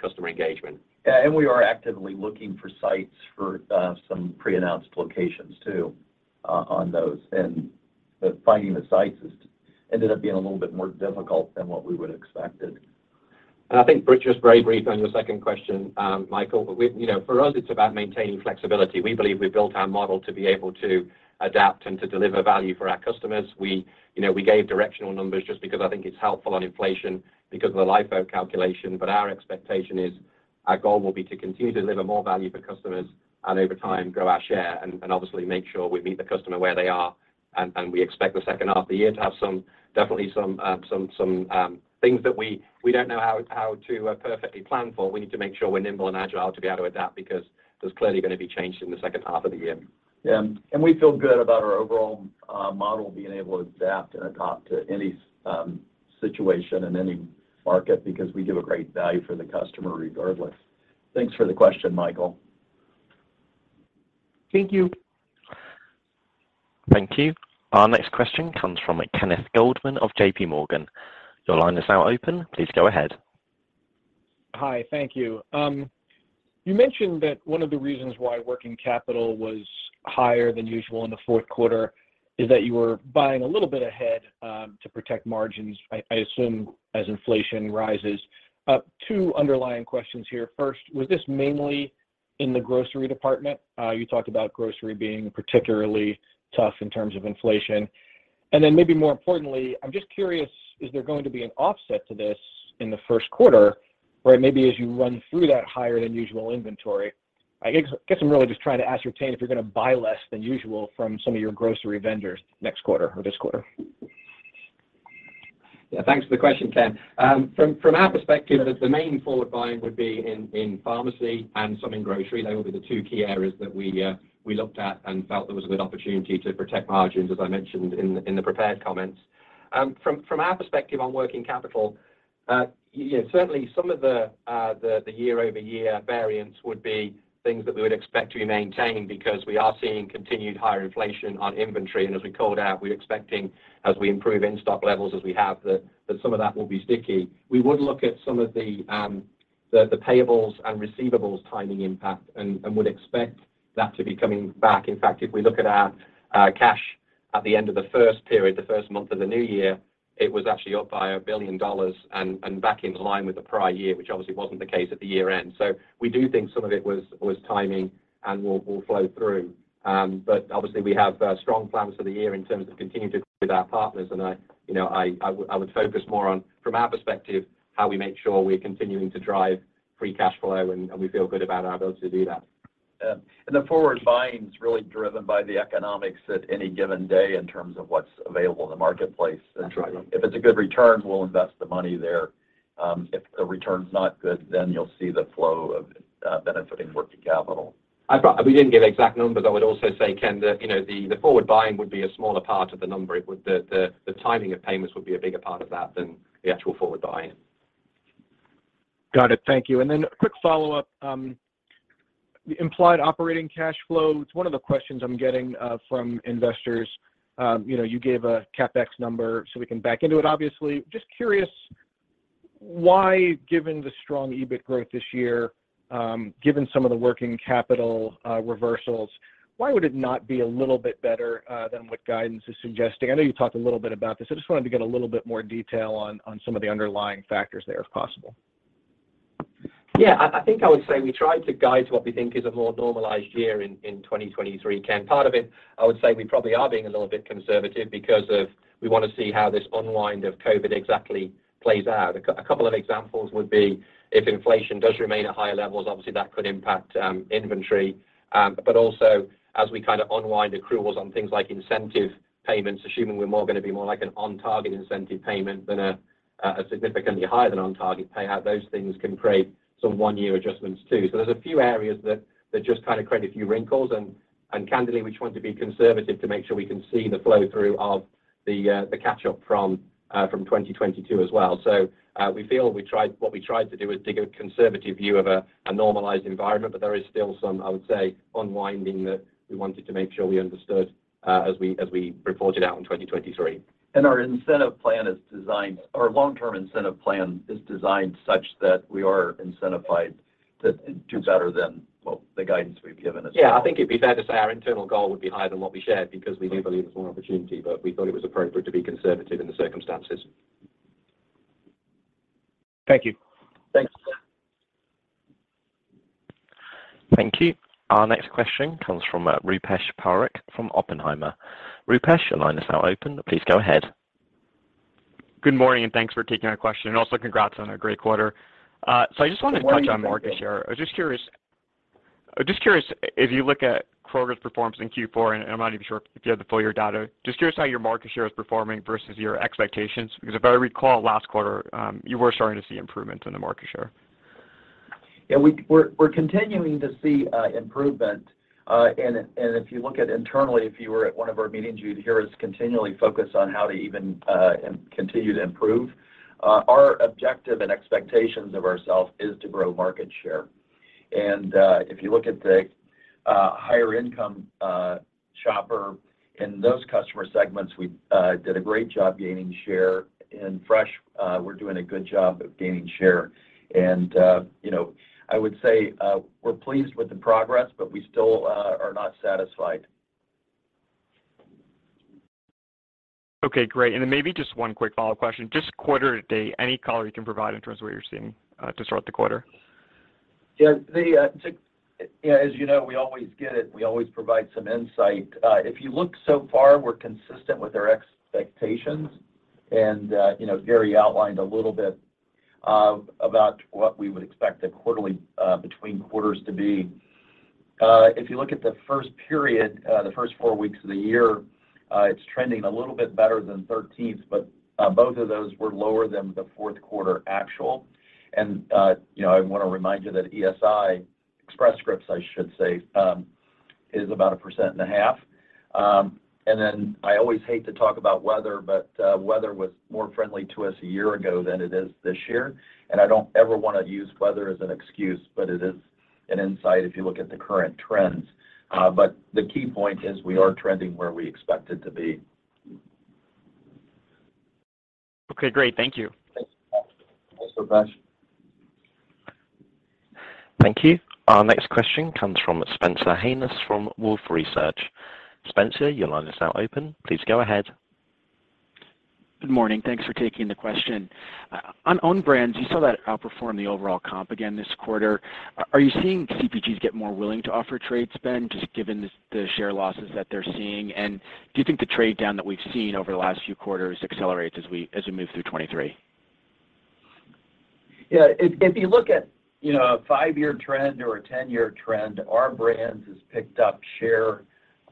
customer engagement. Yeah. We are actively looking for sites for, some pre-announced locations too, on those. Finding the sites has ended up being a little bit more difficult than what we would've expected. I think, just very brief on your second question, Michael, you know, for us, it's about maintaining flexibility. We believe we've built our model to be able to adapt and to deliver value for our customers. We, you know, we gave directional numbers just because I think it's helpful on inflation because of the LIFO calculation, but our expectation isOur goal will be to continue to deliver more value for customers and over time grow our share and obviously make sure we meet the customer where they are. We expect the second half of the year to have some definitely some, some things that we don't know how to perfectly plan for. We need to make sure we're nimble and agile to be able to adapt because there's clearly going to be change in the second half of the year. Yeah. We feel good about our overall model being able to adapt and adopt to any situation in any market because we give a great value for the customer regardless. Thanks for the question, Michael. Thank you. Thank you. Our next question comes from Ken Goldman of J.P. Morgan. Your line is now open. Please go ahead. Hi. Thank you. You mentioned that one of the reasons why working capital was higher than usual in the Q4 is that you were buying a little bit ahead to protect margins, I assume, as inflation rises. Two underlying questions here. First, was this mainly in the grocery department? You talked about grocery being particularly tough in terms of inflation. Maybe more importantly, I'm just curious, is there going to be an offset to this in the Q1 where maybe as you run through that higher than usual inventory? I guess I'm really just trying to ascertain if you're going to buy less than usual from some of your grocery vendors next quarter or this quarter. Yeah. Thanks for the question, Ken. From our perspective, the main forward buying would be in pharmacy and some in grocery. They will be the two key areas that we looked at and felt there was a good opportunity to protect margins, as I mentioned in the prepared comments. From our perspective on working capital, you know, certainly some of the year-over-year variance would be things that we would expect to be maintained because we are seeing continued higher inflation on inventory. As we called out, we're expecting as we improve in-stock levels as we have, that some of that will be sticky. We would look at some of the payables and receivables timing impact and would expect that to be coming back. In fact, if we look at our cash at the end of the first period, the first month of the new year, it was actually up by $1 billion and back in line with the prior year, which obviously wasn't the case at the year-end. We do think some of it was timing and will flow through. Obviously we have strong plans for the year in terms of continuing to with our partners and I, you know, I would focus more on from our perspective, how we make sure we're continuing to drive free cash flow and we feel good about our ability to do that. The forward buying is really driven by the economics at any given day in terms of what's available in the marketplace. That's right. If it's a good return, we'll invest the money there. If a return's not good, then you'll see the flow of benefiting working capital. We didn't give exact numbers. I would also say, Ken, you know, the forward buying would be a smaller part of the number. The timing of payments would be a bigger part of that than the actual forward buying. Got it. Thank you. A quick follow-up. The implied operating cash flow. It's one of the questions I'm getting from investors. You know, you gave a CapEx number so we can back into it obviously. Just curious why, given the strong EBIT growth this year, given some of the working capital reversals, why would it not be a little bit better than what guidance is suggesting? I know you talked a little bit about this. I just wanted to get a little bit more detail on some of the underlying factors there if possible. Yeah. I think I would say we tried to guide what we think is a more normalized year in 2023, Ken. Part of it, I would say we probably are being a little bit conservative because of, we want to see how this unwind of COVID exactly plays out. A couple of examples would be if inflation does remain at higher levels, obviously that could impact inventory. Also as we kind of unwind accruals on things like incentive payments, assuming we're more going to be more like an on target incentive payment than a significantly higher than on target payout, those things can create some 1-year adjustments too. There's a few areas that just kind of create a few wrinkles and candidly, we just want to be conservative to make sure we can see the flow through of the the catch-up from 2022 as well. We feel what we tried to do is take a conservative view of a normalized environment, but there is still some, I would say, unwinding that we wanted to make sure we understood, as we report it out in 2023. Our long-term incentive plan is designed such that we are incentivized to do better than, well, the guidance we've given as well. Yeah. I think it'd be fair to say our internal goal would be higher than what we shared because we do believe there's more opportunity, but we thought it was appropriate to be conservative in the circumstances. Thank you. Thanks. Thank you. Our next question comes from Rupesh Parikh from Oppenheimer. Rupesh, your line is now open. Please go ahead. Good morning. Thanks for taking my question, and also congrats on a great quarter. I just wanted to touch on market share. I'm just curious if you look at Kroger's performance in Q4. I'm not even sure if you have the full year data. Just curious how your market share is performing versus your expectations. If I recall last quarter, you were starting to see improvements in the market share. Yeah. We're continuing to see improvement. If you look at internally, if you were at one of our meetings, you'd hear us continually focus on how to even continue to improve. Our objective and expectations of ourselves is to grow market share. If you look at the higher income shopper in those customer segments, we did a great job gaining share. In fresh, we're doing a good job of gaining share. You know, I would say we're pleased with the progress, but we still are not satisfied. Okay. Great. Maybe just one quick follow-up question. Just quarter to date, any color you can provide in terms of what you're seeing throughout the quarter? Yeah. Yeah. As you know, we always get it. We always provide some insight. If you look so far, we're consistent with our expectations. You know, Gary outlined a little bit about what we would expect the quarterly between quarters to be. If you look at the first period, the first four weeks of the year, it's trending a little bit better than thirteenths, but both of those were lower than the Q4 actual. You know, I want to remind you that ESI, Express Scripts, I should say, is about a % and a half. I always hate to talk about weather, but weather was more friendly to us a year ago than it is this year. I don't ever want to use weather as an excuse, but it is an insight if you look at the current trends. The key point is we are trending where we expected to be. Okay, great. Thank you. Thanks. Thanks, Rupesh. Thank you. Our next question comes from Spencer Hanus from Wolfe Research. Spencer, your line is now open. Please go ahead. Good morning. Thanks for taking the question. On own brands, you saw that outperform the overall comp again this quarter. Are you seeing CPGs get more willing to offer trade spend, just given the share losses that they're seeing? Do you think the trade-down that we've seen over the last few quarters accelerates as we move through 2023? Yeah. If you look at, you know, a five-year trend or a 10-year trend, Our Brands has picked up share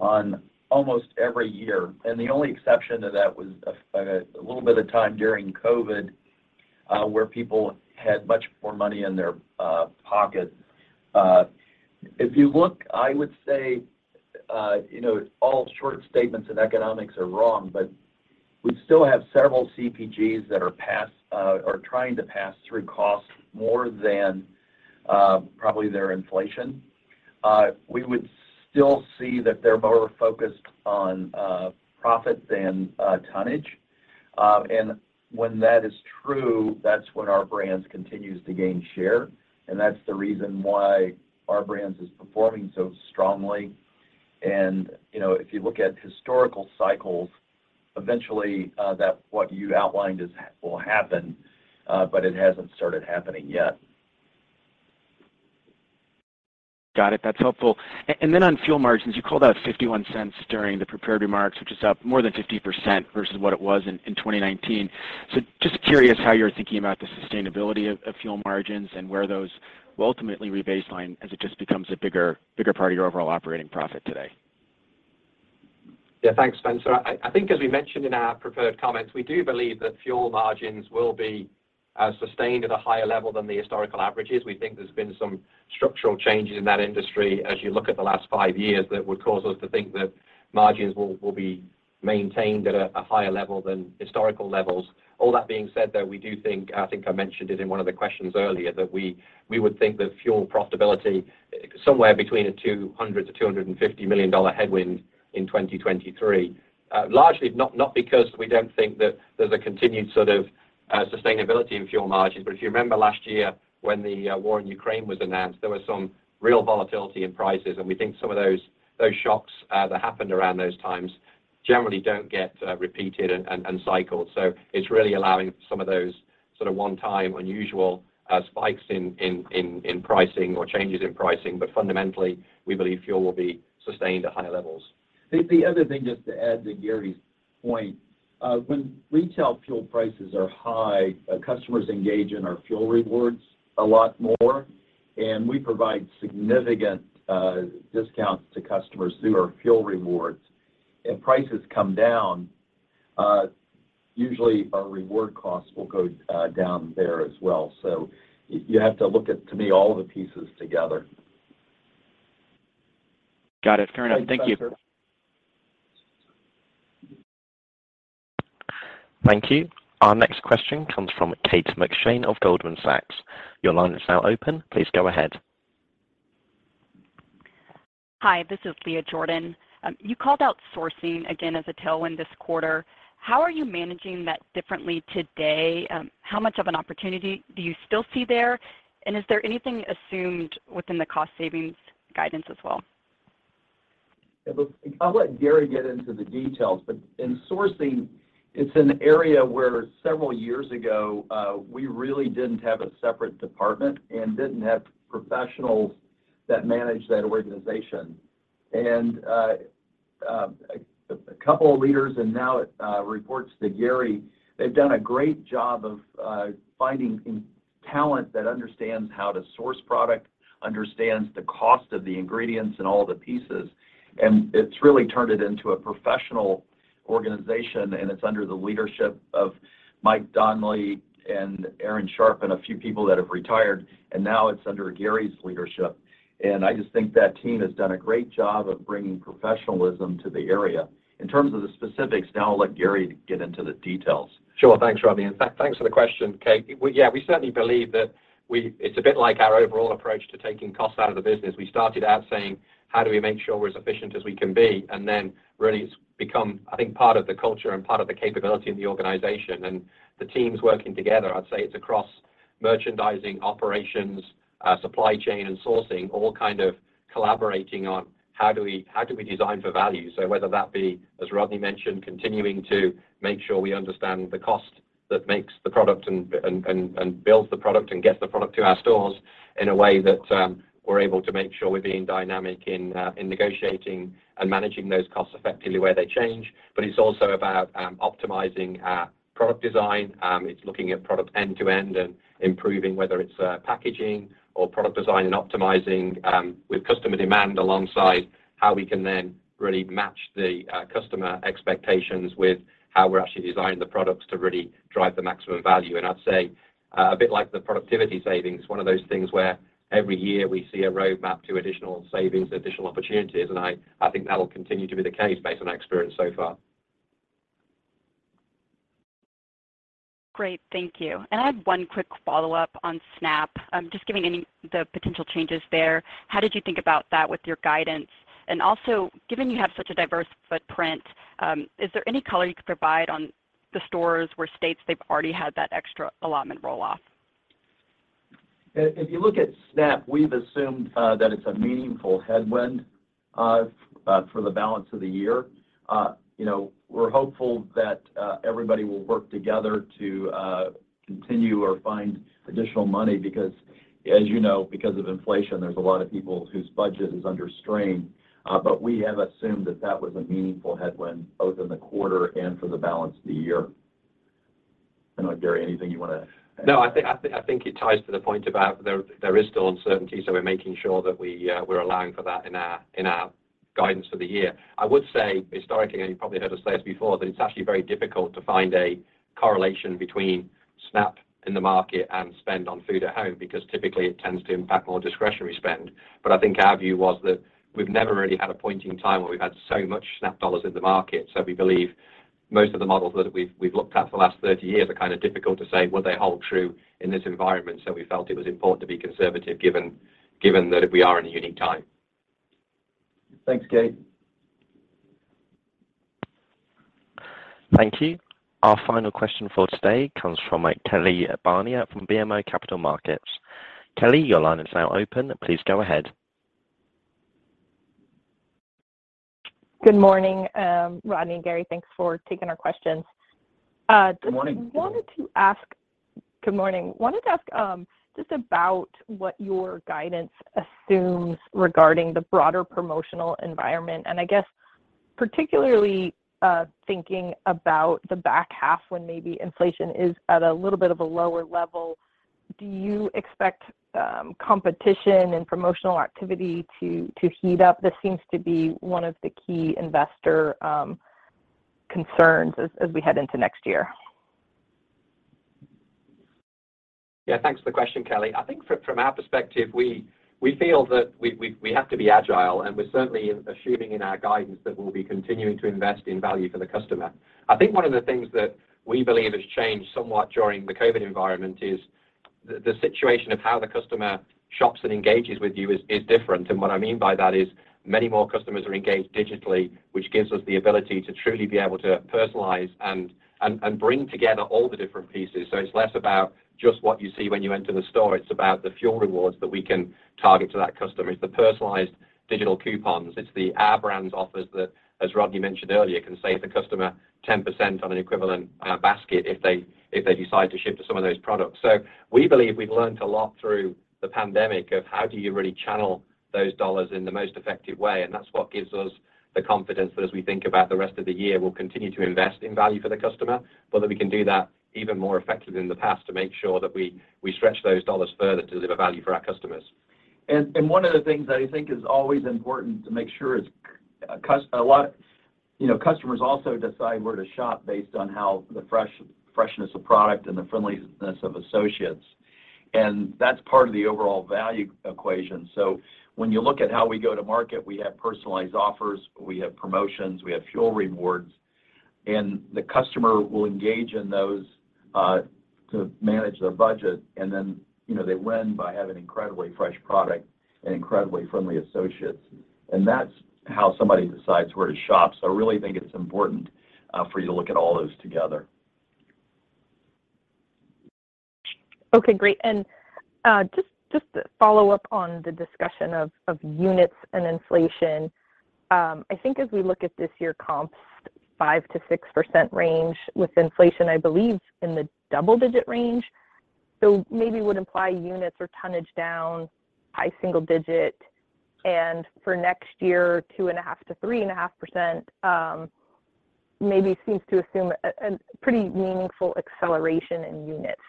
on almost every year. The only exception to that was a little bit of time during COVID, where people had much more money in their pocket. If you look, I would say, you know, all short statements in economics are wrong, but we still have several CPGs that are trying to pass through costs more than probably their inflation. We would still see that they're more focused on profit than tonnage. When that is true, that's when Our Brands continues to gain share, and that's the reason why Our Brands is performing so strongly. you know, if you look at historical cycles, eventually, that what you outlined is will happen, but it hasn't started happening yet. Got it. That's helpful. On fuel margins, you called out $0.51 during the prepared remarks, which is up more than 50% versus what it was in 2019. Just curious how you're thinking about the sustainability of fuel margins and where those will ultimately rebaseline as it just becomes a bigger part of your overall operating profit today. Yeah. Thanks, Spencer. I think as we mentioned in our prepared comments, we do believe that fuel margins will be sustained at a higher level than the historical averages. We think there's been some structural changes in that industry as you look at the last five years that would cause us to think that margins will be maintained at a higher level than historical levels. All that being said, though, we do think, I think I mentioned it in one of the questions earlier, that we would think that fuel profitability somewhere between a $200 million-$250 million headwind in 2023. largely not because we don't think that there's a continued sort of sustainability in fuel margins, but if you remember last year when the war in Ukraine was announced, there was some real volatility in prices, and we think some of those shocks that happened around those times generally don't get repeated and cycled. It's really allowing some of those sort of one-time unusual spikes in pricing or changes in pricing. Fundamentally, we believe fuel will be sustained at higher levels. The other thing, just to add to Gary's point. When retail fuel prices are high, customers engage in our fuel rewards a lot more, and we provide significant discounts to customers through our fuel rewards. If prices come down, usually our reward costs will go down there as well. You have to look at, to me, all of the pieces together. Got it. Fair enough. Thank you. Thanks, Spencer. Thank you. Our next question comes from Kate McShane of Goldman Sachs. Your line is now open. Please go ahead. Hi. This is Leah Jordan. You called out sourcing again as a tailwind this quarter. How are you managing that differently today? How much of an opportunity do you still see there? Is there anything assumed within the cost savings guidance as well? Yeah, look, I'll let Gary get into the details. In sourcing, it's an area where several years ago, we really didn't have a separate department and didn't have professionals that managed that organization. A couple of leaders and now it reports to Gary, they've done a great job of finding talent that understands how to source product, understands the cost of the ingredients and all the pieces. It's really turned it into a professional organization, and it's under the leadership of Mike Donnelly and Erin Sharp and a few people that have retired, and now it's under Gary's leadership. I just think that team has done a great job of bringing professionalism to the area. In terms of the specifics, now I'll let Gary get into the details. Sure. Thanks, Rodney. In fact, thanks for the question, Kate. Yeah, we certainly believe that it's a bit like our overall approach to taking costs out of the business. We started out saying, "How do we make sure we're as efficient as we can be?" Then really it's become, I think, part of the culture and part of the capability of the organization. The teams working together, I'd say it's across merchandising, operations, supply chain and sourcing, all kind of collaborating on how do we, how do we design for value. Whether that be, as Rodney McMullen mentioned, continuing to make sure we understand the costThat makes the product and builds the product and gets the product to our stores in a way that we're able to make sure we're being dynamic in negotiating and managing those costs effectively where they change. It's also about optimizing our product design. It's looking at product end to end and improving whether it's packaging or product design and optimizing with customer demand alongside how we can then really match the customer expectations with how we're actually designing the products to really drive the maximum value. I'd say, a bit like the productivity savings, one of those things where every year we see a roadmap to additional savings, additional opportunities, and I think that'll continue to be the case based on our experience so far. Great. Thank you. I have 1 quick follow-up on SNAP. Just giving any the potential changes there, how did you think about that with your guidance? Given you have such a diverse footprint, is there any color you could provide on the stores where states they've already had that extra allotment roll-off? If you look at SNAP, we've assumed that it's a meaningful headwind for the balance of the year. You know, we're hopeful that everybody will work together to continue or find additional money because as you know, because of inflation, there's a lot of people whose budget is under strain. We have assumed that that was a meaningful headwind both in the quarter and for the balance of the year. I don't know, Gary, anything you want to add? I think it ties to the point about there is still uncertainty, so we're making sure that we're allowing for that in our guidance for the year. I would say historically, and you've probably heard us say this before, that it's actually very difficult to find a correlation between SNAP in the market and spend on food at home because typically it tends to impact more discretionary spend. I think our view was that we've never really had a point in time where we've had so much SNAP dollars in the market. We believe most of the models that we've looked at for the last 30 years are kind of difficult to say would they hold true in this environment. We felt it was important to be conservative given that we are in a unique time. Thanks, Kate. Thank you. Our final question for today comes from Kelly Bania from BMO Capital Markets. Kelly, your line is now open. Please go ahead. Good morning, Rodney and Gary. Thanks for taking our questions. Good morning. Just wanted to ask. Good morning. Wanted to ask, just about what your guidance assumes regarding the broader promotional environment, I guess particularly, thinking about the back half when maybe inflation is at a little bit of a lower level, do you expect competition and promotional activity to heat up? This seems to be one of the key investor concerns as we head into next year. Yeah. Thanks for the question, Kelly. I think from our perspective, we feel that we have to be agile, and we're certainly assuming in our guidance that we'll be continuing to invest in value for the customer. I think one of the things that we believe has changed somewhat during the COVID environment is the situation of how the customer shops and engages with you is different. What I mean by that is many more customers are engaged digitally, which gives us the ability to truly be able to personalize and bring together all the different pieces. It's less about just what you see when you enter the store. It's about the fuel rewards that we can target to that customer. It's the personalized digital coupons. It's the Our Brands offers that, as Rodney mentioned earlier, can save the customer 10% on an equivalent basket if they decide to shift to some of those products. We believe we've learned a lot through the pandemic of how do you really channel those dollars in the most effective way, and that's what gives us the confidence that as we think about the rest of the year, we'll continue to invest in value for the customer, but that we can do that even more effective than the past to make sure that we stretch those dollars further to deliver value for our customers. One of the things that I think is always important to make sure is a lot of, you know, customers also decide where to shop based on how the freshness of product and the friendliness of associates, and that's part of the overall value equation. When you look at how we go to market, we have personalized offers, we have promotions, we have fuel rewards, and the customer will engage in those to manage their budget. Then, you know, they win by having incredibly fresh product and incredibly friendly associates, and that's how somebody decides where to shop. I really think it's important for you to look at all those together. Okay, great. Just to follow up on the discussion of units and inflation, I think as we look at this year comp 5%-6% range with inflation, I believe in the double-digit range, so maybe would imply units or tonnage down high single-digit and for next year, 2.5%-3.5%, maybe seems to assume a pretty meaningful acceleration in units.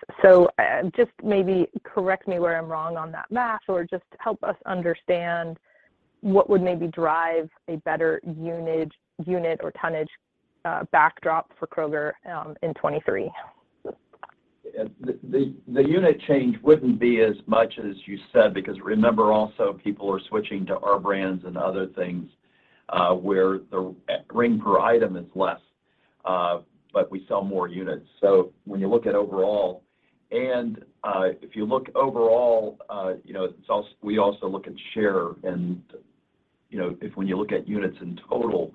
Just maybe correct me where I'm wrong on that math or just help us understand what would maybe drive a better unit or tonnage backdrop for Kroger in 2023. The unit change wouldn't be as much as you said because remember also people are switching to Our Brands and other things, where the grain per item is less, but we sell more units. When you look at overall, if you look overall, you know, we also look at share and, you know, if when you look at units in total,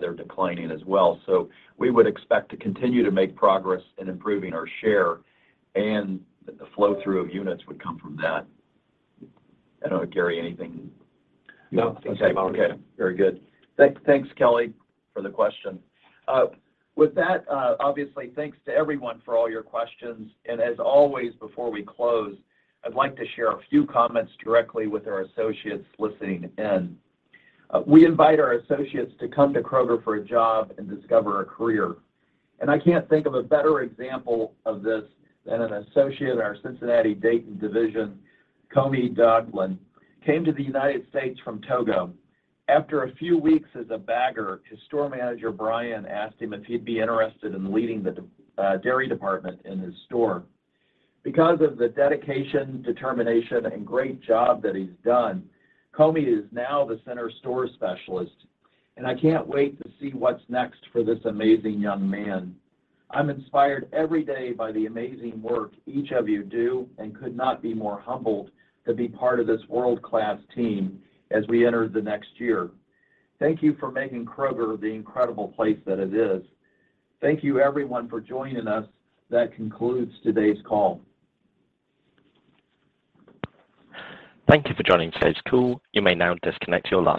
they're declining as well. We would expect to continue to make progress in improving our share and the flow through of units would come from that. I don't know, Gary, anything? No. Okay. Very good. Thanks. Thanks, Kelly, for the question. With that, obviously thanks to everyone for all your questions. As always before we close, I'd like to share a few comments directly with our associates listening in. We invite our associates to come to Kroger for a job and discover a career. I can't think of a better example of this than an associate at our Cincinnati/Dayton Division, Komi Dodlin, came to the United States from Togo. After a few weeks as a bagger, his store manager, Brian, asked him if he'd be interested in leading the dairy department in his store. Because of the dedication, determination, and great job that he's done, Comey is now the center store specialist, and I can't wait to see what's next for this amazing young man. I'm inspired every day by the amazing work each of you do and could not be more humbled to be part of this world-class team as we enter the next year. Thank you for making Kroger the incredible place that it is. Thank you everyone for joining us. That concludes today's call. Thank you for joining today's call. You may now disconnect your line.